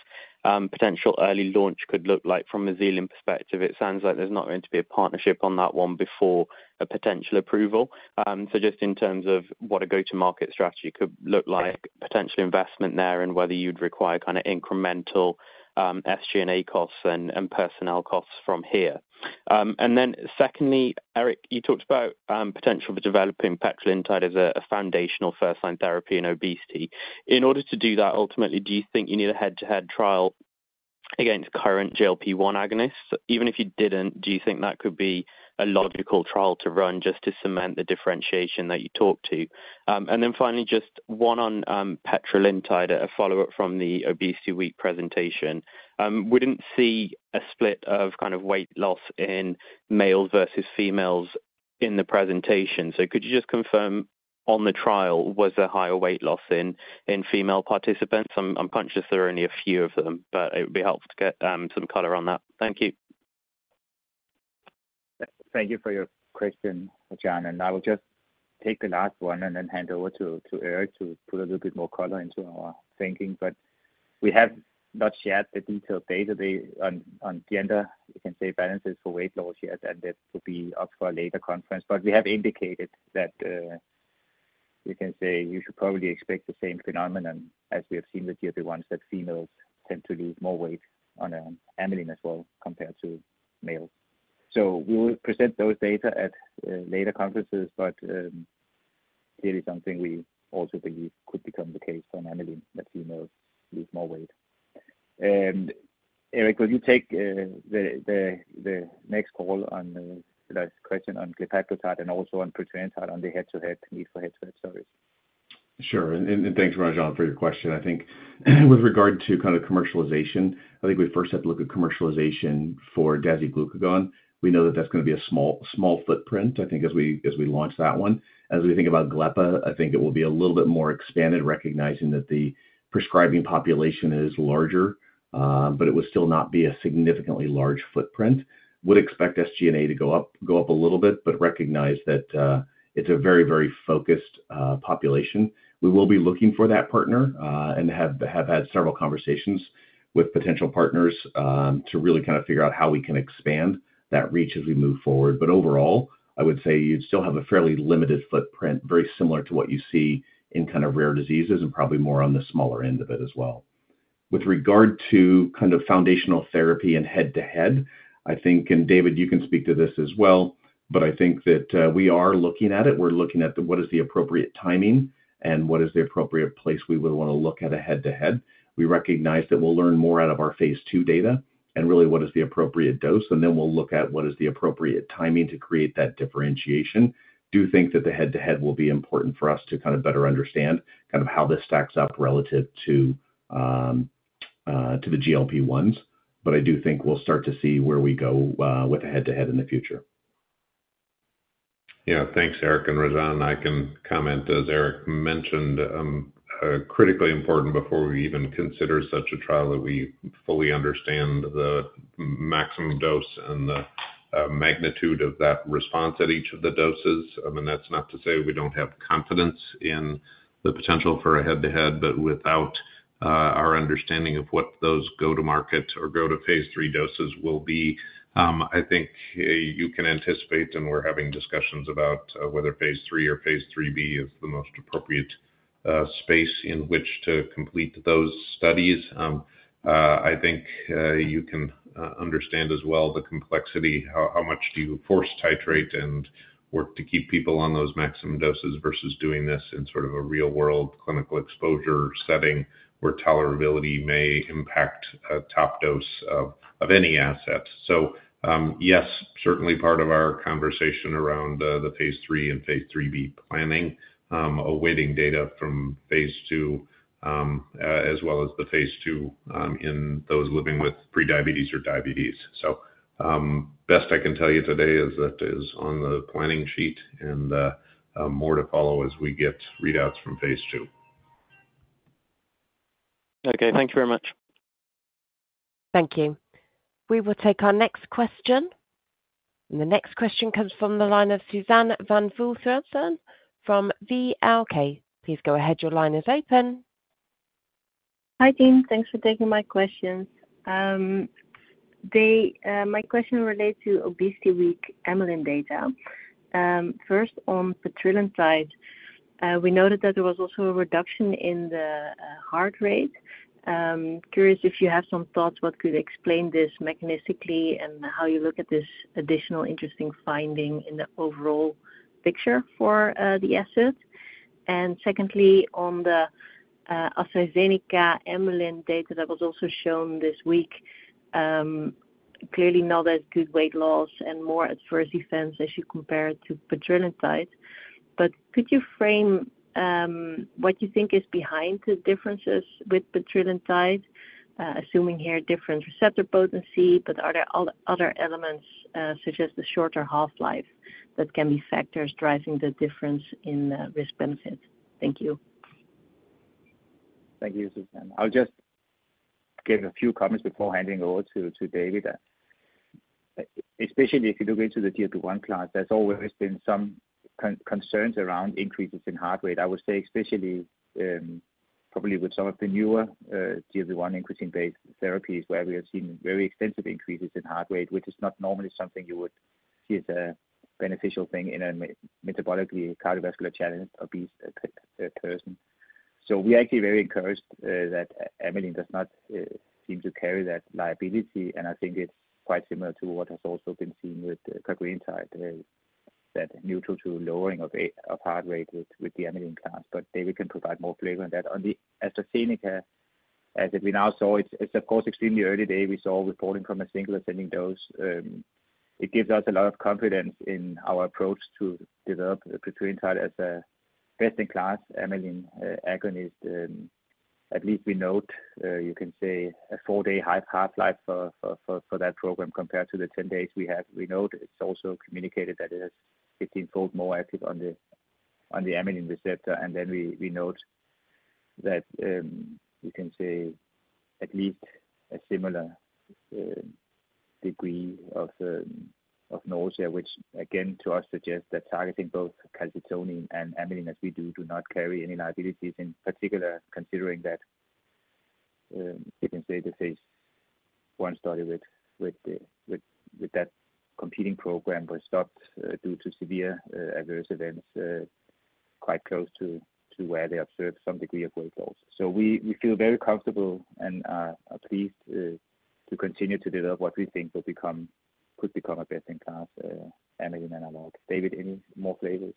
potential early launch could look like from a Zealand perspective? It sounds like there's not going to be a partnership on that one before a potential approval. So just in terms of what a go-to-market strategy could look like, potential investment there and whether you'd require kind of incremental SG&A costs and personnel costs from here. And then secondly, Eric, you talked about potential for developing petrelintide as a foundational first-line therapy in obesity. In order to do that, ultimately, do you think you need a head-to-head trial against current GLP-1 agonists? Even if you didn't, do you think that could be a logical trial to run just to cement the differentiation that you talked to? And then finally, just one on petrelintide at a follow-up from the ObesityWeek presentation. We didn't see a split of kind of weight loss in males versus females in the presentation. So could you just confirm on the trial, was there higher weight loss in female participants? I'm conscious there are only a few of them, but it would be helpful to get some color on that. Thank you. Thank you for your question, Rajan. And I will just take the last one and then hand over to Eric to put a little bit more color into our thinking. But we have not yet the detailed data on gender, you can say, balances for weight loss yet, and that will be up for a later conference. We have indicated that you can say you should probably expect the same phenomenon as we have seen with GLP-1s, that females tend to lose more weight on amylin as well compared to males. So we will present those data at later conferences, but clearly something we also believe could become the case on amylin that females lose more weight. Eric, will you take the next call on the last question on glepaglutide and also on petrelintide on the head-to-head need for head-to-head studies? Sure. And thanks, Rajan, for your question. I think with regard to kind of commercialization, I think we first have to look at commercialization for dasiglucagon. We know that that's going to be a small footprint, I think, as we launch that one. As we think about glepaglutide, I think it will be a little bit more expanded, recognizing that the prescribing population is larger, but it will still not be a significantly large footprint. Would expect SG&A to go up a little bit, but recognize that it's a very, very focused population. We will be looking for that partner and have had several conversations with potential partners to really kind of figure out how we can expand that reach as we move forward. But overall, I would say you'd still have a fairly limited footprint, very similar to what you see in kind of rare diseases and probably more on the smaller end of it as well. With regard to kind of foundational therapy and head-to-head, I think, and David, you can speak to this as well, but I think that we are looking at it. We're looking at what is the appropriate timing and what is the appropriate place we would want to look at a head-to-head. We recognize that we'll learn more out of our phase two data and really what is the appropriate dose. And then we'll look at what is the appropriate timing to create that differentiation. I do think that the head-to-head will be important for us to kind of better understand kind of how this stacks up relative to the GLP-1s. But I do think we'll start to see where we go with a head-to-head in the future. Yeah. Thanks, Eric and Rajan. I can comment, as Eric mentioned, critically important before we even consider such a trial that we fully understand the maximum dose and the magnitude of that response at each of the doses. I mean, that's not to say we don't have confidence in the potential for a head-to-head, but without our understanding of what those go-to-market or go-to-phase III doses will be, I think you can anticipate, and we're having discussions about whether phase III or phase III-B is the most appropriate space in which to complete those studies. I think you can understand as well the complexity, how much do you force titrate and work to keep people on those maximum doses versus doing this in sort of a real-world clinical exposure setting where tolerability may impact a top dose of any asset. So yes, certainly part of our conversation around the phase III and phase III-B planning, awaiting data from phase II as well as the phase II in those living with prediabetes or diabetes. So best I can tell you today is that is on the planning sheet and more to follow as we get readouts from phase II. Okay. Thank you very much. Thank you. We will take our next question. And the next question comes from the line of Suzanne van Voorthuizen from VLK. Please go ahead. Your line is open. Hi, team. Thanks for taking my questions. My question relates to ObesityWeek amylin data. First, on petrelintide, we noted that there was also a reduction in the heart rate. Curious if you have some thoughts what could explain this mechanistically and how you look at this additional interesting finding in the overall picture for the asset. And secondly, on the AstraZeneca amylin data that was also shown this week, clearly not as good weight loss and more adverse events as you compare it to petrelintide. But could you frame what you think is behind the differences with petrelintide, assuming here different receptor potency, but are there other elements such as the shorter half-life that can be factors driving the difference in risk-benefit? Thank you. Thank you, Suzanne. I'll just give a few comments before handing over to David. Especially if you look into the GLP-1 class, there's always been some concerns around increases in heart rate. I would say especially probably with some of the newer GLP-1 incretin-based therapies where we have seen very extensive increases in heart rate, which is not normally something you would see as a beneficial thing in a metabolically cardiovascularly challenged obese person. So we're actually very encouraged that amylin does not seem to carry that liability. And I think it's quite similar to what has also been seen with cagrilintide, that neutral to lowering of heart rate with the amylin class. But David can provide more flavor on that. On the AstraZeneca, as we now saw, it's of course extremely early days. We saw data from a single ascending dose. It gives us a lot of confidence in our approach to develop petrelintide as a best-in-class amylin agonist. At least we note, you can say, a four-day half-life for that program compared to the 10 days we had. We note it's also communicated that it has 15-fold more active on the amylin receptor. And then we note that you can say at least a similar degree of nausea, which again to us suggests that targeting both calcitonin and amylin as we do not carry any liabilities in particular, considering that you can say the phase one study with that competing program was stopped due to severe adverse events quite close to where they observed some degree of weight loss. So we feel very comfortable and are pleased to continue to develop what we think could become a best-in-class amylin analog. David, any more flavors?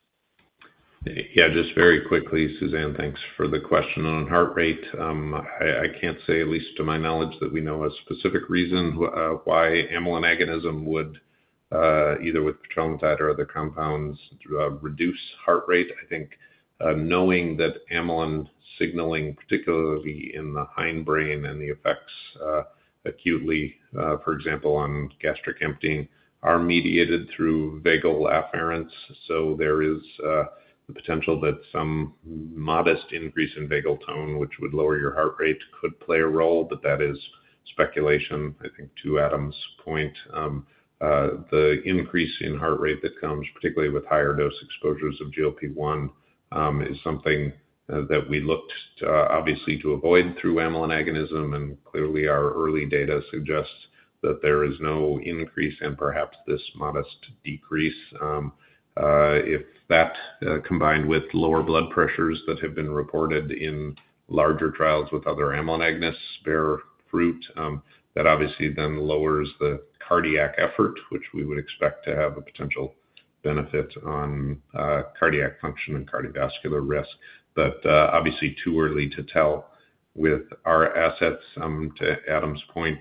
Yeah. Just very quickly, Suzanne, thanks for the question on heart rate. I can't say, at least to my knowledge, that we know a specific reason why amylin agonism would, either with petrelintide or other compounds, reduce heart rate. I think, knowing that amylin signaling, particularly in the hindbrain and the effects acutely, for example, on gastric emptying, are mediated through vagal afferents, so there is the potential that some modest increase in vagal tone, which would lower your heart rate, could play a role, but that is speculation. I think to Adam's point, the increase in heart rate that comes, particularly with higher dose exposures of GLP-1, is something that we looked obviously to avoid through amylin agonism, and clearly, our early data suggests that there is no increase and perhaps this modest decrease. If that, combined with lower blood pressures that have been reported in larger trials with other amylin analogs, bears fruit, that obviously then lowers the cardiac effort, which we would expect to have a potential benefit on cardiac function and cardiovascular risk. But obviously too early to tell with our assets. To Adam's point,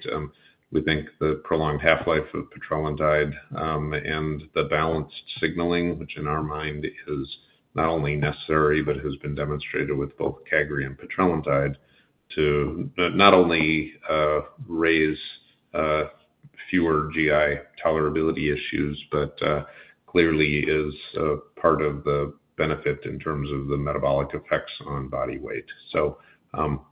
we think the prolonged half-life of petrelintide and the balanced signaling, which in our mind is not only necessary but has been demonstrated with both cagrilintide and petrelintide, to not only raise fewer GI tolerability issues, but clearly is part of the benefit in terms of the metabolic effects on body weight. So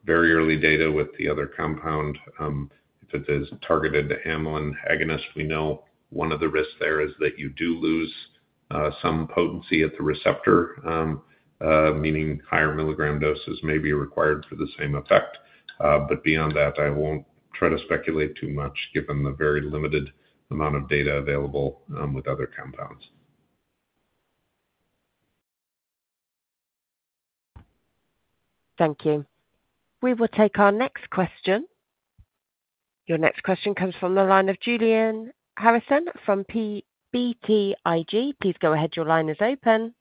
very early data with the other compound, if it is targeted to amylin agonist, we know one of the risks there is that you do lose some potency at the receptor, meaning higher milligram doses may be required for the same effect. But beyond that, I won't try to speculate too much given the very limited amount of data available with other compounds. Thank you. We will take our next question. Your next question comes from the line of Julian Harrison from BTIG. Please go ahead. Your line is open.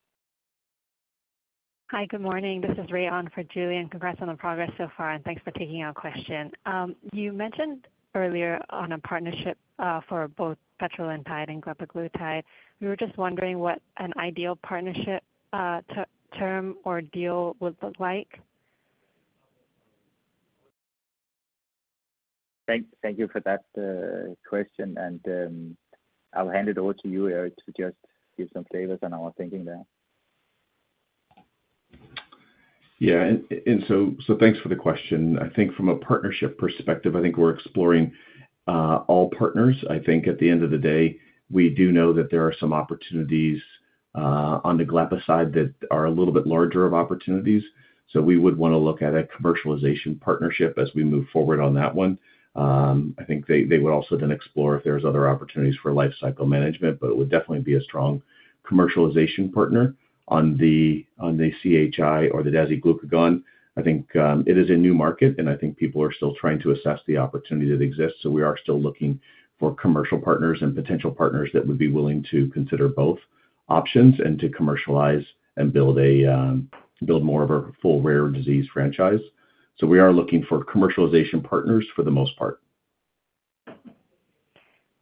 Hi, good morning. This is Rian for Julian. Congrats on the progress so far, and thanks for taking our question. You mentioned earlier on a partnership for both petrelintide and glepaglutide. We were just wondering what an ideal partnership term or deal would look like. Thank you for that question. And I'll hand it over to you, Eric, to just give some flavors on our thinking there. Yeah. And so thanks for the question. I think from a partnership perspective, I think we're exploring all partners. I think at the end of the day, we do know that there are some opportunities on the glepaglutide side that are a little bit larger of opportunities. So we would want to look at a commercialization partnership as we move forward on that one. I think they would also then explore if there's other opportunities for lifecycle management, but it would definitely be a strong commercialization partner on the CHI or the dasiglucagon. I think it is a new market, and I think people are still trying to assess the opportunity that exists. So we are still looking for commercial partners and potential partners that would be willing to consider both options and to commercialize and build more of a full rare disease franchise. So we are looking for commercialization partners for the most part.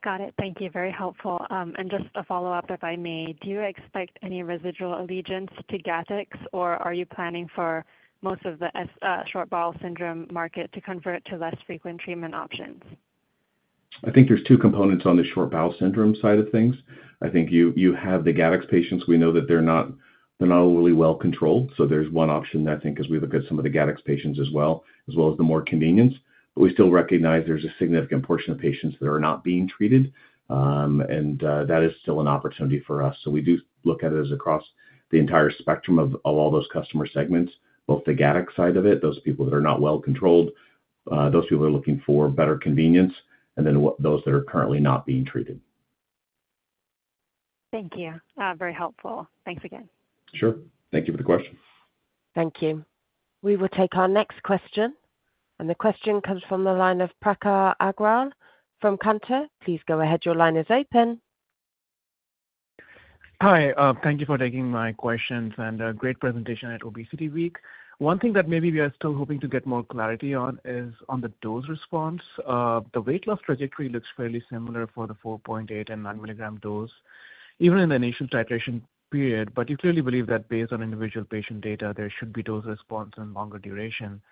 Got it. Thank you. Very helpful. And just a follow-up, if I may, do you expect any residual allegiance to Gattex, or are you planning for most of the short bowel syndrome market to convert to less frequent treatment options? I think there's two components on the short bowel syndrome side of things. I think you have the Gattex patients. We know that they're not really well controlled. So there's one option that I think as we look at some of the Gattex patients as well, as well as the more convenience. But we still recognize there's a significant portion of patients that are not being treated, and that is still an opportunity for us. So we do look at it as across the entire spectrum of all those customer segments, both the Gattex side of it, those people that are not well controlled, those people who are looking for better convenience, and then those that are currently not being treated. Thank you. Very helpful. Thanks again. Sure. Thank you for the question. Thank you. We will take our next question. And the question comes from the line of Prakhar Agrawal from Cantor. Please go ahead. Your line is open. Hi. Thank you for taking my questions and great presentation at ObesityWeek. One thing that maybe we are still hoping to get more clarity on is on the dose response. The weight loss trajectory looks fairly similar for the 4.8 and 9 milligram dose, even in the initial titration period. But you clearly believe that based on individual patient data, there should be dose response and longer duration.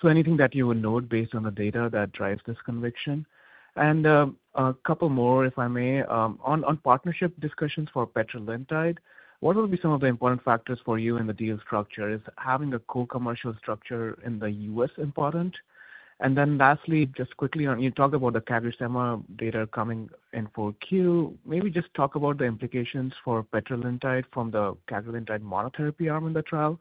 So anything that you would note based on the data that drives this conviction. And a couple more, if I may, on partnership discussions for petrelintide, what will be some of the important factors for you in the deal structure? Is having a co-commercial structure in the U.S. important? And then lastly, just quickly, you talked about the CagriSema data coming in for Q. Maybe just talk about the implications for petrelintide from the CagriSema monotherapy arm in the trial.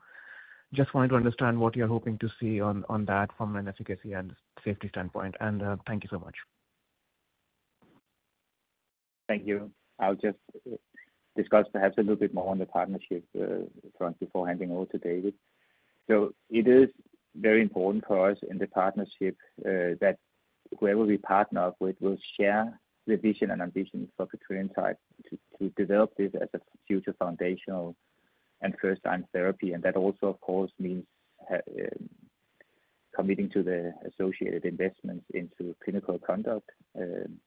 Just wanted to understand what you're hoping to see on that from an efficacy and safety standpoint. And thank you so much. Thank you. I'll just discuss perhaps a little bit more on the partnership front before handing over to David. So it is very important for us in the partnership that whoever we partner up with will share the vision and ambition for petrelintide to develop this as a future foundational and first-line therapy. And that also, of course, means committing to the associated investments into clinical conduct,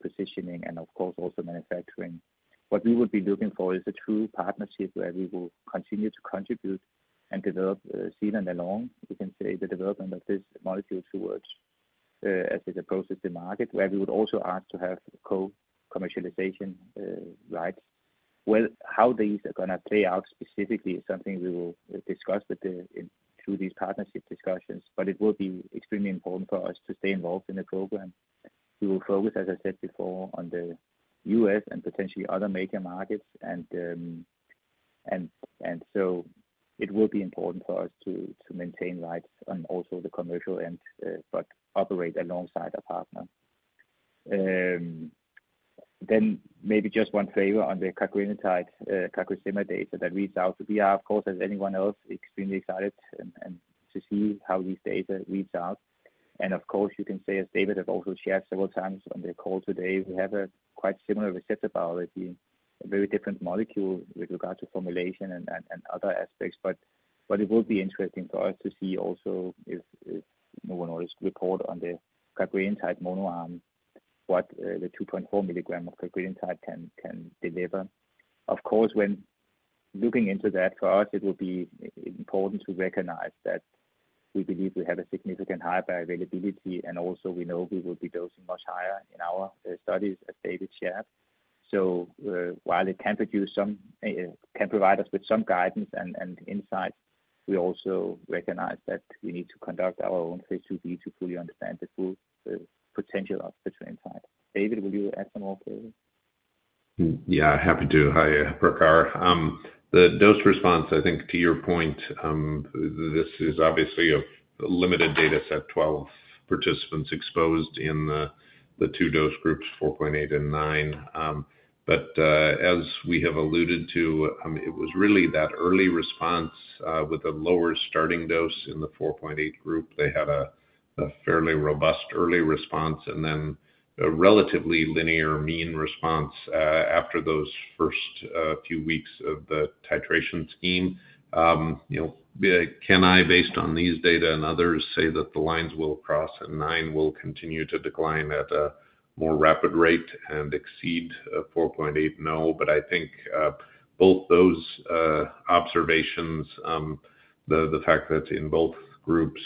positioning, and of course, also manufacturing. What we would be looking for is a true partnership where we will continue to contribute and develop stand-alone, you can say, the development of this molecule towards as it approaches the market, where we would also ask to have co-commercialization rights. How these are going to play out specifically is something we will discuss through these partnership discussions, but it will be extremely important for us to stay involved in the program. We will focus, as I said before, on the U.S. and potentially other major markets. And so it will be important for us to maintain rights on also the commercial end, but operate alongside a partner. Then maybe just one flavor on the cagrilintide CagriSema data that reads out. We are, of course, as anyone else, extremely excited to see how these data reads out. And of course, you can say, as David has also shared several times on the call today, we have a quite similar receptor biology, a very different molecule with regard to formulation and other aspects. But it will be interesting for us to see also if Novo Nordisk reports on the cagrilintide monotherapy arm what the 2.4 milligram of cagrilintide can deliver. Of course, when looking into that, for us, it will be important to recognize that we believe we have a significant high availability, and also we know we will be dosing much higher in our studies, as David shared. So while it can provide us with some guidance and insights, we also recognize that we need to conduct our own phase II-B to fully understand the full potential of petrelintide. David, will you add some more flavor? Yeah, happy to. Hi, Prakhar. The dose response, I think to your point, this is obviously a limited data set, 12 participants exposed in the two dose groups, 4.8 and 9. But as we have alluded to, it was really that early response with a lower starting dose in the 4.8 group. They had a fairly robust early response and then a relatively linear mean response after those first few weeks of the titration scheme. Can I, based on these data and others, say that the lines will cross and 9 will continue to decline at a more rapid rate and exceed 4.8? No, but I think both those observations, the fact that in both groups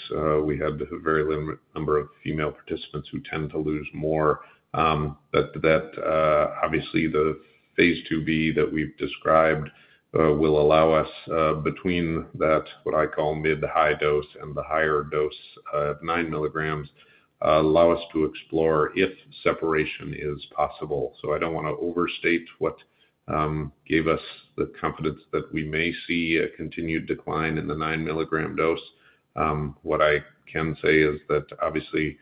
we had a very limited number of female participants who tend to lose more, that obviously the phase II-B that we've described will allow us between that, what I call mid to high dose and the higher dose of 9 milligrams, allow us to explore if separation is possible. So I don't want to overstate what gave us the confidence that we may see a continued decline in the 9 milligram dose. What I can say is that obviously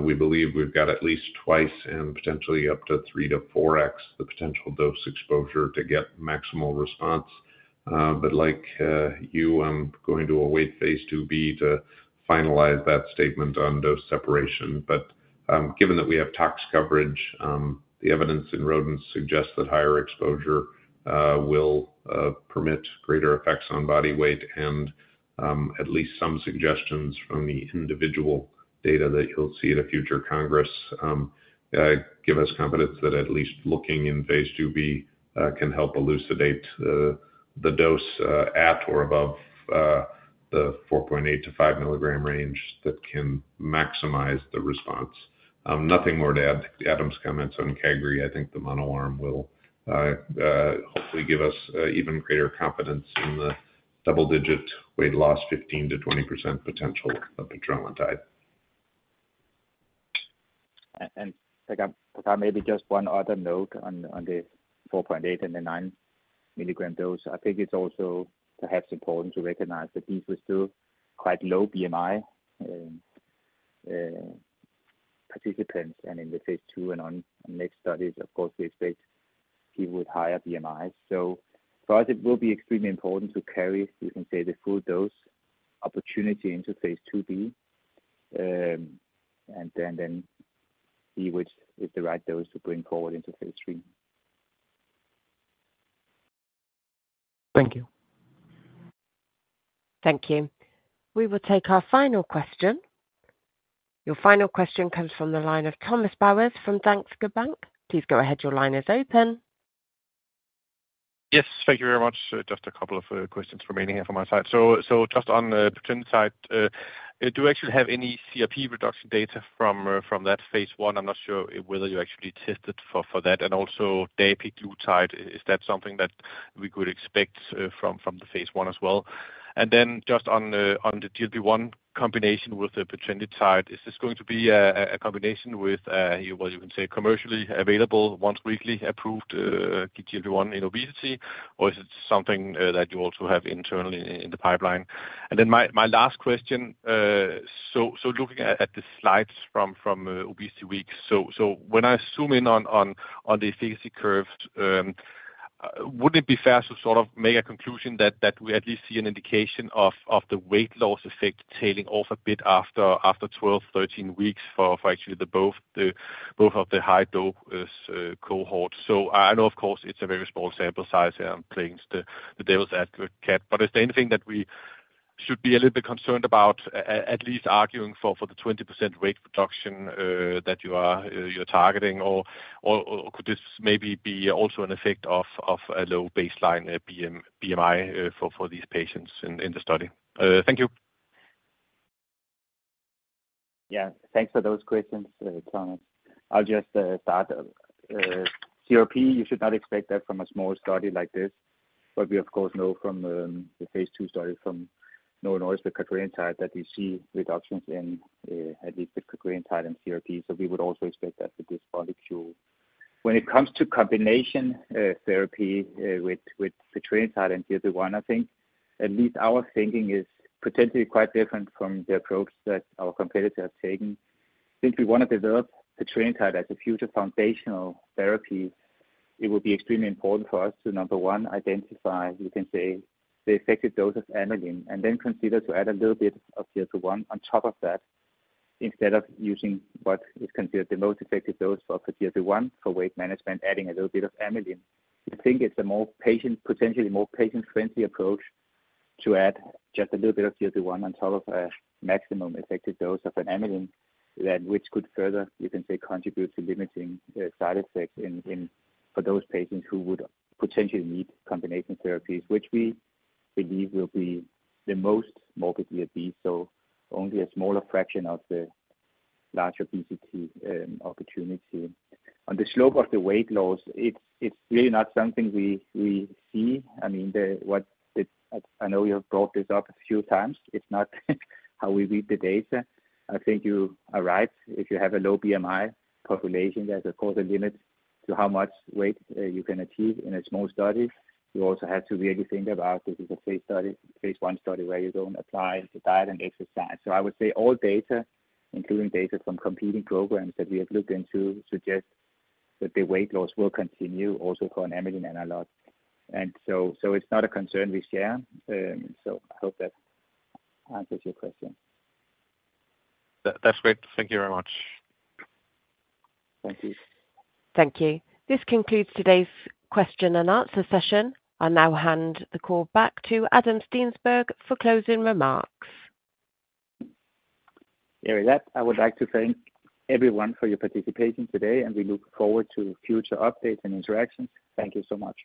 we believe we've got at least twice and potentially up to 3x-4x the potential dose exposure to get maximal response. But like you, I'm going to await phase II-B to finalize that statement on dose separation. But given that we have tox coverage, the evidence in rodents suggests that higher exposure will permit greater effects on body weight and at least some suggestions from the individual data that you'll see at a future congress give us confidence that at least looking in phase II-B can help elucidate the dose at or above the 4.8-5 milligram range that can maximize the response. Nothing more to add to Adam's comments on cagrilintide. I think the monoarm will hopefully give us even greater confidence in the double-digit weight loss, 15%-20% potential of petrelintide. And maybe just one other note on the 4.8 and 9 milligram dose. I think it's also perhaps important to recognize that these were still quite low BMI participants. And in the phase II and ongoing next studies, of course, we expect people with higher BMIs. So for us, it will be extremely important to carry, you can say, the full dose opportunity into phase II-B. And then see which is the right dose to bring forward into phase III. Thank you. Thank you. We will take our final question. Your final question comes from the line of Thomas Bowers from Danske Bank. Please go ahead. Your line is open. Yes, thank you very much. Just a couple of questions remaining here from my side. So just on the petrelintide, do you actually have any CRP reduction data from that phase one? I'm not sure whether you actually tested for that. And also dapiglutide, is that something that we could expect from the phase I as well? And then just on the GLP-1 combination with the petrelintide, is this going to be a combination with, well, you can say, commercially available, once weekly approved GLP-1 in obesity, or is it something that you also have internally in the pipeline? And then my last question, so looking at the slides from ObesityWeek, so when I zoom in on the efficacy curves, wouldn't it be fair to sort of make a conclusion that we at least see an indication of the weight loss effect tailing off a bit after 12, 13 weeks for actually both of the high dose cohorts? So I know, of course, it's a very small sample size here. I'm playing the devil's advocate act. But is there anything that we should be a little bit concerned about, at least arguing for the 20% rate reduction that you are targeting, or could this maybe be also an effect of a low baseline BMI for these patients in the study? Thank you. Yeah. Thanks for those questions, Thomas. I'll just start. CRP, you should not expect that from a small study like this. But we, of course, know from the phase II study from Novo Nordisk with cagrilintide that you see reductions in at least with cagrilintide and CRP. So we would also expect that with this molecule. When it comes to combination therapy with petrelintide and GLP-1, I think at least our thinking is potentially quite different from the approach that our competitors have taken. Since we want to develop petrelintide as a future foundational therapy, it would be extremely important for us to, number one, identify, you can say, the effective dose of amylin, and then consider to add a little bit of GLP-1 on top of that instead of using what is considered the most effective dose for GLP-1 for weight management, adding a little bit of amylin. I think it's a potentially more patient-friendly approach to add just a little bit of GLP-1 on top of a maximum effective dose of an amylin, which could further, you can say, contribute to limiting side effects for those patients who would potentially need combination therapies, which we believe will be the most morbidly at least, so only a smaller fraction of the large obesity opportunity. On the slope of the weight loss, it's really not something we see. I mean, I know you have brought this up a few times. It's not how we read the data. I think you are right. If you have a low BMI population, there's, of course, a limit to how much weight you can achieve in a small study. You also have to really think about this is a phase I study where you don't apply the diet and exercise. So I would say all data, including data from competing programs that we have looked into, suggest that the weight loss will continue also for an amylin analog. And so it's not a concern we share. So I hope that answers your question. That's great. Thank you very much. Thank you. Thank you. This concludes today's question and answer session. I'll now hand the call back to Adam Steensberg for closing remarks. With that, I would like to thank everyone for your participation today, and we look forward to future updates and interactions. Thank you so much.